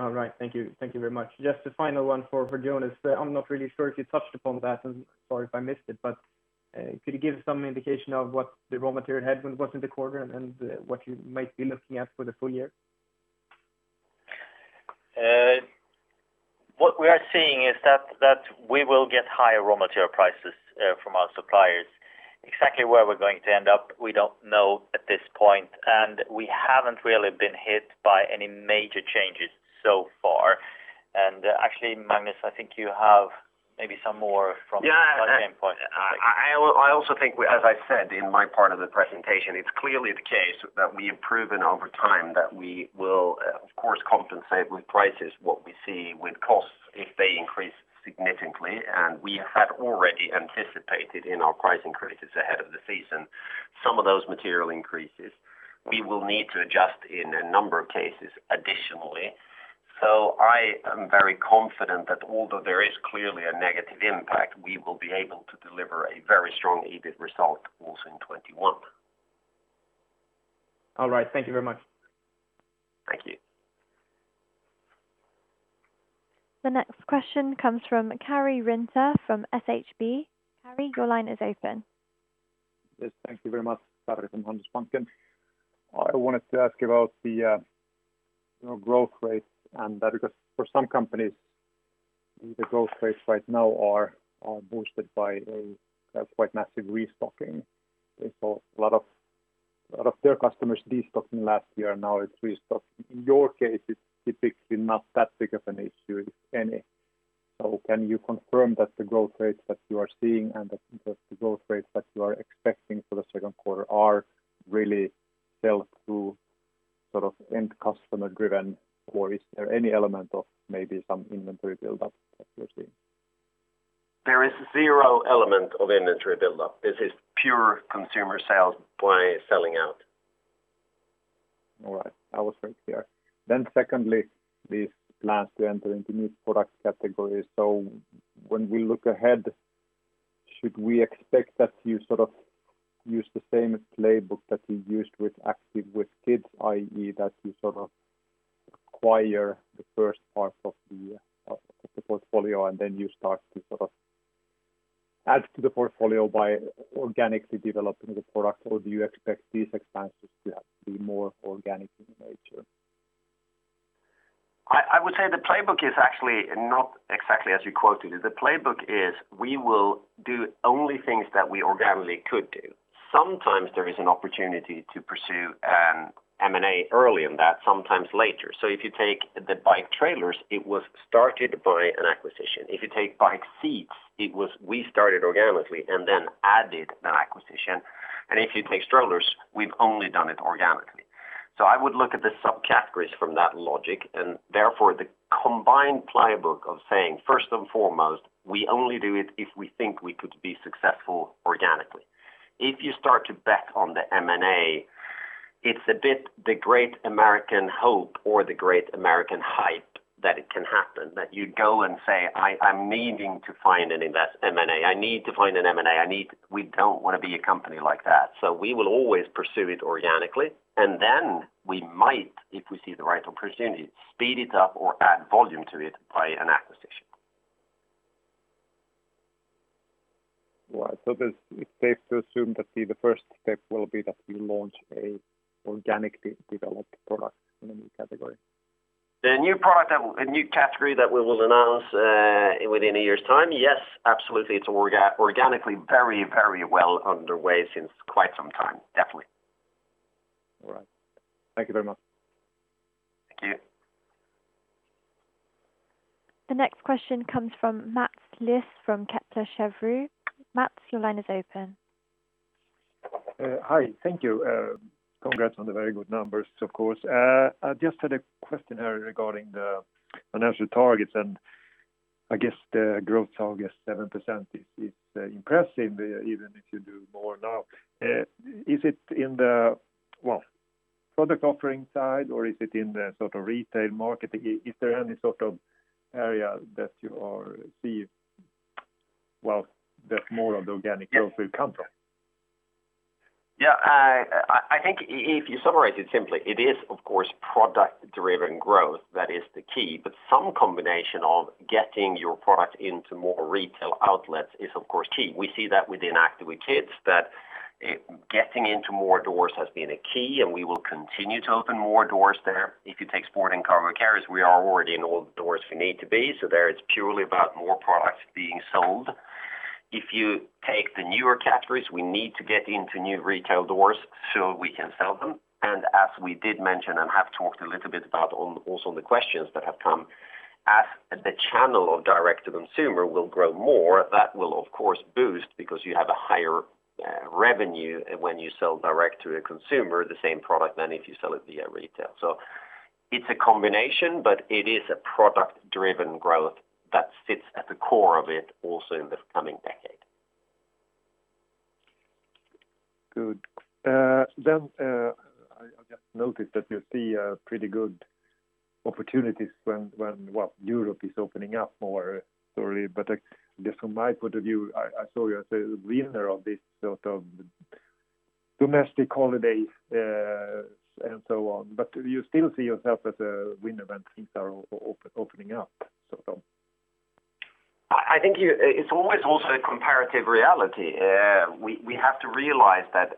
All right. Thank you. Thank you very much. Just a final one for Jonas. I'm not really sure if you touched upon that, and sorry if I missed it, but could you give some indication of what the raw material headwind was in the quarter and what you might be looking at for the full year? What we are seeing is that we will get higher raw material prices from our suppliers. Exactly where we're going to end up, we don't know at this point, and we haven't really been hit by any major changes so far. Actually, Magnus, I think you have maybe some more from the same point. Yeah. I also think, as I said in my part of the presentation, it's clearly the case that we have proven over time that we will, of course, compensate with prices, what we see with costs, if they increase significantly. We had already anticipated in our price increases ahead of the season, some of those material increases. We will need to adjust in a number of cases additionally. I am very confident that although there is clearly a negative impact, we will be able to deliver a very strong EBIT result also in 2021. All right. Thank you very much. Thank you. The next question comes from Karri Rinta from SHB. Karri, your line is open. Yes, thank you very much. Karri from Handelsbanken. I wanted to ask about the growth rates and that, because for some companies, the growth rates right now are boosted by a quite massive restocking. A lot of their customers destocking last year, now it's restocked. In your case, it's typically not that big of an issue with any. Can you confirm that the growth rates that you are seeing, and the growth rates that you are expecting for the second quarter are really sell-through sort of end customer driven, or is there any element of maybe some inventory buildup that you're seeing? There is zero element of inventory buildup. This is pure consumer sales by selling out. All right. I was right there. Secondly, these plans to enter into new product categories. When we look ahead, should we expect that you sort of use the same playbook that you used with Active with Kids, i.e., that you sort of acquire the first part of the portfolio, and then you start to sort of add to the portfolio by organically developing the product? Do you expect these expansions to have to be more organic in nature? I would say the playbook is actually not exactly as you quoted it. The playbook is we will do only things that we organically could do. Sometimes there is an opportunity to pursue an M&A early in that, sometimes later. If you take the bike trailers, it was started by an acquisition. If you take bike seats, we started organically and then added an acquisition. If you take strollers, we've only done it organically. I would look at the subcategories from that logic, and therefore the combined playbook of saying, first and foremost, we only do it if we think we could be successful organically. If you start to bet on the M&A, it's a bit the great American hope or the great American hype that it can happen, that you'd go and say, "I'm needing to find and invest M&A. I need to find an M&A." We don't want to be a company like that. We will always pursue it organically, and then we might, if we see the right opportunity, speed it up or add volume to it by an acquisition. Right. It's safe to assume that the first step will be that you launch an organically developed product in a new category. The new category that we will announce within a year's time? Yes, absolutely. It's organically very well underway since quite some time. Definitely. All right. Thank you very much. Thank you. The next question comes from Mats Liss from Kepler Cheuvreux. Mats, your line is open. Hi. Thank you. Congrats on the very good numbers, of course. I just had a question regarding the financial targets. I guess the growth target 7% is impressive, even if you do more now. Is it in the product offering side, or is it in the sort of retail market? Is there any sort of area that you see that more of the organic growth will come from? Yeah. I think if you summarize it simply, it is, of course, product-driven growth that is the key. Some combination of getting your product into more retail outlets is, of course, key. We see that within Active with Kids, that getting into more doors has been a key, and we will continue to open more doors there. If you take Sport & Cargo Carriers, we are already in all the doors we need to be. There, it's purely about more products being sold. If you take the newer categories, we need to get into new retail doors so we can sell them. As we did mention and have talked a little bit about also on the questions that have come, as the channel of direct-to-consumer will grow more, that will, of course, boost because you have a higher revenue when you sell direct to a consumer the same product than if you sell it via retail. It's a combination, but it is a product-driven growth that sits at the core of it also in the coming decade. Good. I just noticed that you see pretty good opportunities when Europe is opening up more slowly. Just from my point of view, I saw you as a winner of this sort of domestic holiday and so on. Do you still see yourself as a winner when things are opening up sort of? I think it's always also a comparative reality. We have to realize that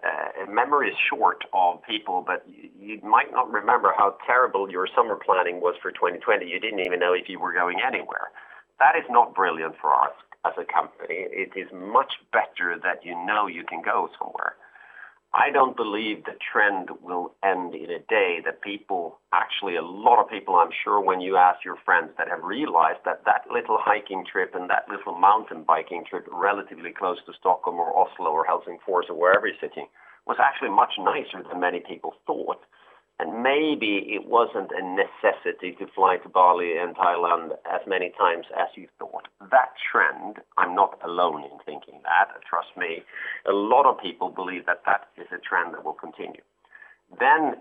memory is short of people, but you might not remember how terrible your summer planning was for 2020. You didn't even know if you were going anywhere. That is not brilliant for us as a company. It is much better that you know you can go somewhere. I don't believe the trend will end in a day that people, actually, a lot of people, I'm sure when you ask your friends that have realized that that little hiking trip and that little mountain biking trip relatively close to Stockholm or Oslo or Helsingfors or wherever you're sitting, was actually much nicer than many people thought. Maybe it wasn't a necessity to fly to Bali and Thailand as many times as you thought. That trend, I'm not alone in thinking that, trust me. A lot of people believe that that is a trend that will continue.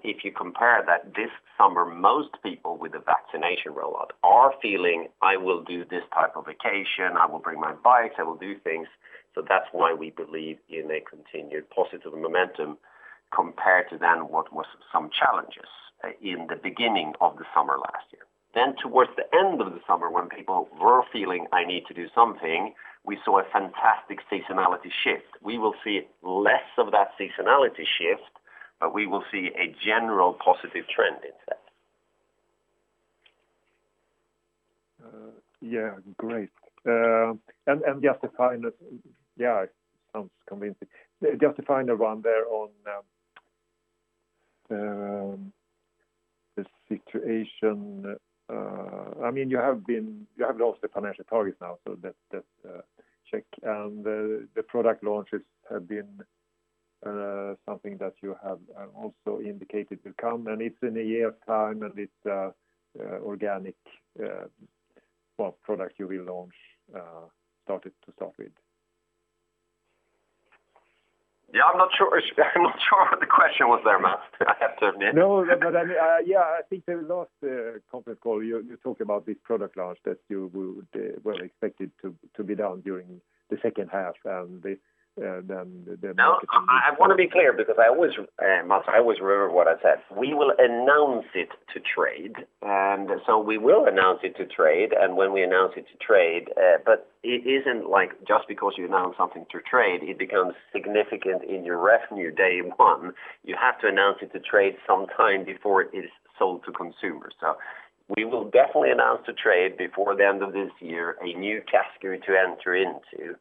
If you compare that this summer, most people with a vaccination rollout are feeling, "I will do this type of vacation. I will bring my bikes, I will do things." That's why we believe in a continued positive momentum compared to then what was some challenges in the beginning of the summer last year. Towards the end of the summer, when people were feeling, "I need to do something," we saw a fantastic seasonality shift. We will see less of that seasonality shift, but we will see a general positive trend instead. Yeah, great. Sounds convincing. Just to find the one there on the situation. You have lost the financial targets now, so that check and the product launches have been something that you have also indicated will come, and it's in a year of time, and it's organic, well, product you will launch, started to stop it. Yeah, I'm not sure what the question was there, Mats. I have to admit. No, I think the last conference call, you talked about this product launch that you were expected to be down during the second half. I want to be clear because Mats, I always remember what I said. We will announce it to trade, when we announce it to trade, it isn't like just because you announce something to trade, it becomes significant in your revenue day one. You have to announce it to trade some time before it is sold to consumers. We will definitely announce to trade before the end of this year, a new category to enter into,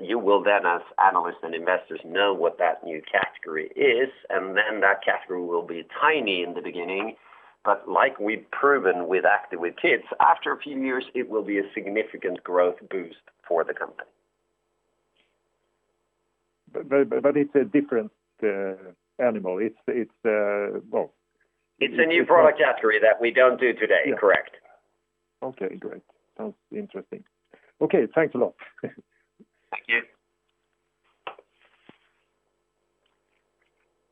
you will then, as analysts and investors, know what that new category is, that category will be tiny in the beginning. Like we've proven with Active with Kids, after a few years, it will be a significant growth boost for the company. It's a different animal. It's a new product category that we don't do today. Correct. Okay, great. Sounds interesting. Okay, thanks a lot. Thank you.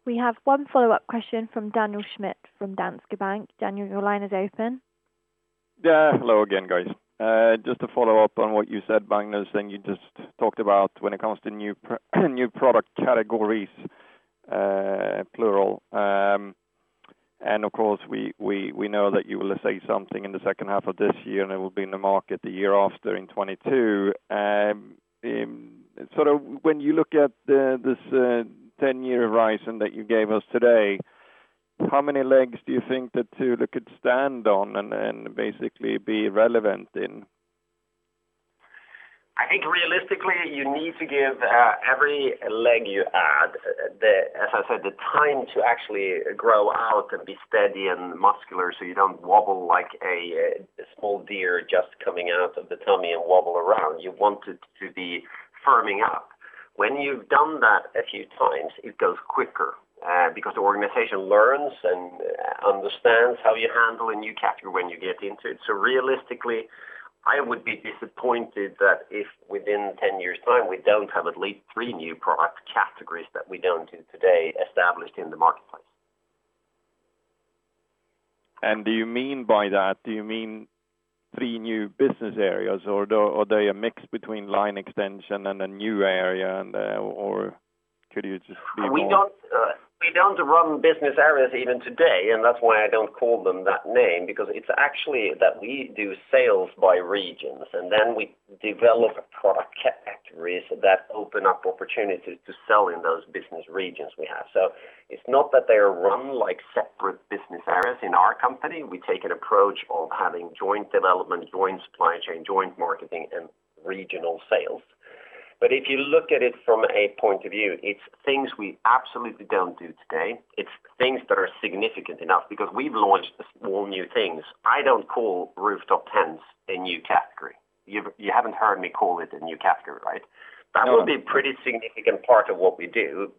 We have one follow-up question from Daniel Schmidt from Danske Bank. Daniel, your line is open. Yeah. Hello again, guys. Just to follow up on what you said, Magnus, and you just talked about when it comes to new product categories, plural. Of course, we know that you will say something in the second half of this year, and it will be in the market the year after in 2022. When you look at this 10-year horizon that you gave us today, how many legs do you think that Thule could stand on and basically be relevant in? I think realistically, you need to give every leg you add, as I said, the time to actually grow out and be steady and muscular so you don't wobble like a small deer just coming out of the tummy and wobble around. You want it to be firming up. When you've done that a few times, it goes quicker because the organization learns and understands how you handle a new category when you get into it. Realistically, I would be disappointed that if within 10 years' time, we don't have at least three new product categories that we don't do today established in the marketplace. Do you mean by that, do you mean three new business areas, or are they a mix between line extension and a new area? Could you just be more-? We don't run business areas even today. That's why I don't call them that name, because it's actually that we do sales by regions, and then we develop product categories that open up opportunities to sell in those business regions we have. It's not that they are run like separate business areas in our company. We take an approach of having joint development, joint supply chain, joint marketing, and regional sales. If you look at it from a point of view, it's things we absolutely don't do today. It's things that are significant enough because we've launched small new things. I don't call rooftop tents a new category. You haven't heard me call it a new category, right That will be pretty significant part of what we do.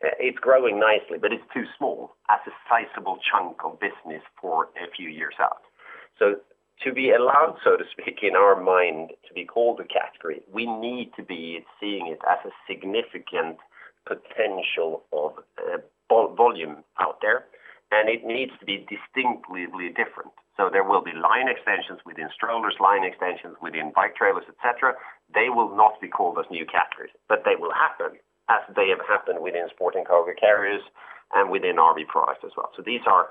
It's growing nicely, but it's too small as a sizable chunk of business for a few years out. To be allowed, so to speak, in our mind, to be called a category, we need to be seeing it as a significant potential of volume out there, and it needs to be distinctly different. There will be line extensions within strollers, line extensions within bike trailers, et cetera. They will not be called as new categories, but they will happen as they have happened within Sport & Cargo Carriers and within RV Products as well. These are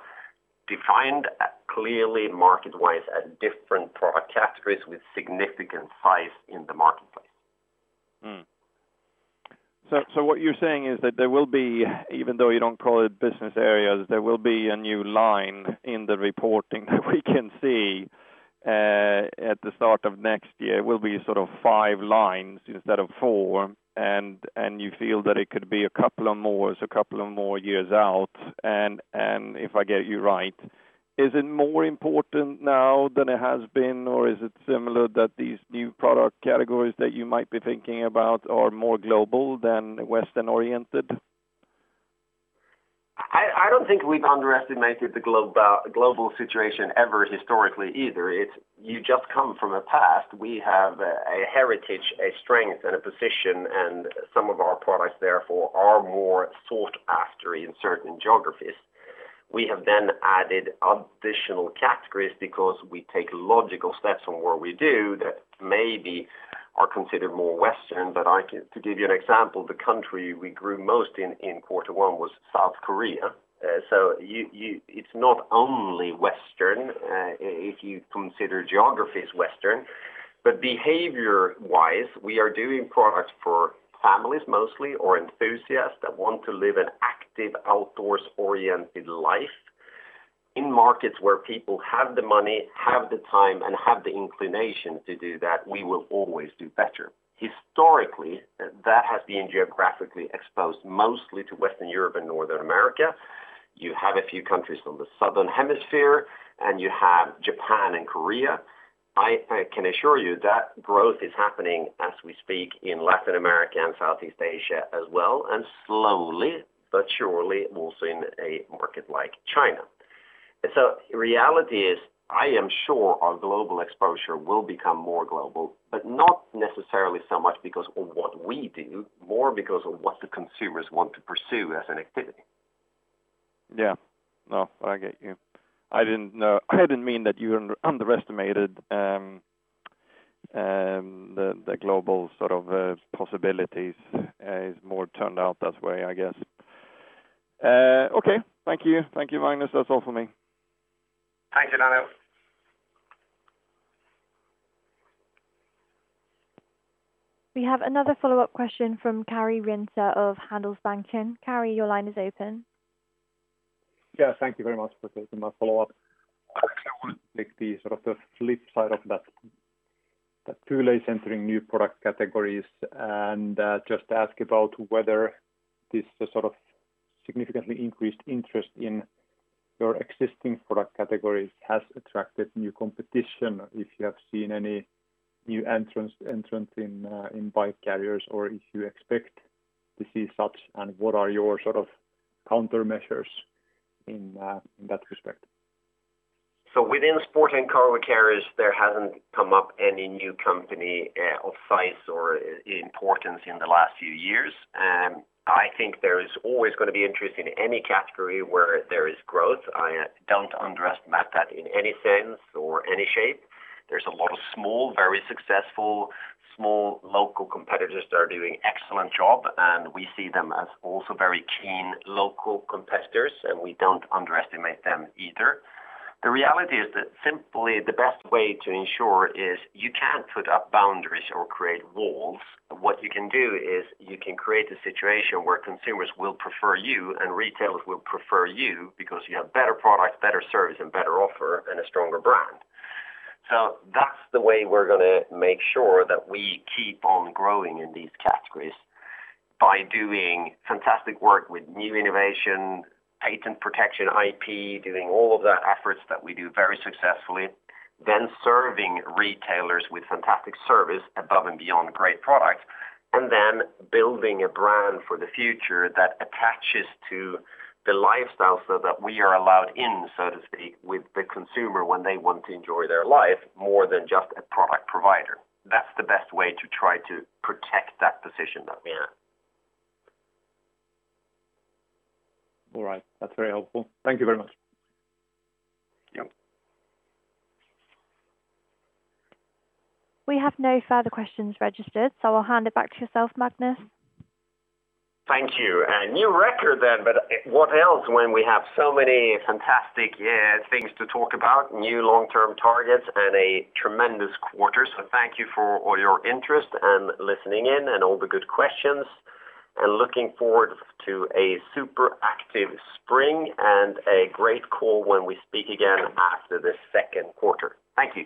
defined clearly market-wise as different product categories with significant size in the marketplace. What you're saying is that there will be, even though you don't call it business areas, there will be a new line in the reporting that we can see at the start of next year will be sort of five lines instead of four, and you feel that it could be a couple of more years out. If I get you right, is it more important now than it has been, or is it similar that these new product categories that you might be thinking about are more global than Western-oriented? I don't think we've underestimated the global situation ever historically either. You just come from a past. We have a heritage, a strength, and a position, and some of our products, therefore, are more sought after in certain geographies. We have added additional categories because we take logical steps on what we do that maybe are considered more Western. To give you an example, the country we grew most in in quarter one was South Korea. It's not only Western, if you consider geographies Western, but behavior-wise, we are doing products for families mostly, or enthusiasts that want to live an active, outdoors-oriented life in markets where people have the money, have the time, and have the inclination to do that, we will always do better. Historically, that has been geographically exposed mostly to Western Europe and North America. You have a few countries on the southern hemisphere, and you have Japan and Korea. I can assure you that growth is happening as we speak in Latin America and Southeast Asia as well, and slowly but surely, also in a market like China. The reality is, I am sure our global exposure will become more global, but not necessarily so much because of what we do, more because of what the consumers want to pursue as an activity. Yeah. No, I get you. I didn't mean that you underestimated the global sort of possibilities, it's more turned out that way, I guess. Okay. Thank you. Thank you, Magnus. That's all for me. Thanks, Daniel Schmidt. We have another follow-up question from Karri Rinta of Handelsbanken. Karri, your line is open. Yeah, thank you very much for taking my follow-up. I actually want to take the sort of the flip side of that Thule is entering new product categories and just ask about whether this sort of significantly increased interest in your existing product categories has attracted new competition, if you have seen any new entrants in bike carriers, or if you expect to see such, and what are your sort of countermeasures in that respect? Within Sport & Cargo Carriers, there hasn't come up any new company of size or importance in the last few years. I think there's always going to be interest in any category where there is growth. I don't underestimate that in any sense or any shape. There's a lot of small, very successful, small local competitors that are doing excellent job, and we see them as also very keen local competitors, and we don't underestimate them either. The reality is that simply the best way to ensure is you can't put up boundaries or create walls. What you can do is you can create a situation where consumers will prefer you and retailers will prefer you because you have better products, better service and better offer and a stronger brand. That's the way we're going to make sure that we keep on growing in these categories by doing fantastic work with new innovation, patent protection, IP, doing all of that efforts that we do very successfully, then serving retailers with fantastic service above and beyond great products, and then building a brand for the future that attaches to the lifestyle so that we are allowed in, so to speak, with the consumer when they want to enjoy their life more than just a product provider. That's the best way to try to protect that position that we're in. All right. That's very helpful. Thank you very much. Yep. We have no further questions registered, so I'll hand it back to yourself, Magnus. Thank you. A new record then, but what else when we have so many fantastic things to talk about, new long-term targets and a tremendous quarter. Thank you for all your interest and listening in and all the good questions, and looking forward to a super active spring and a great call when we speak again after the second quarter. Thank you.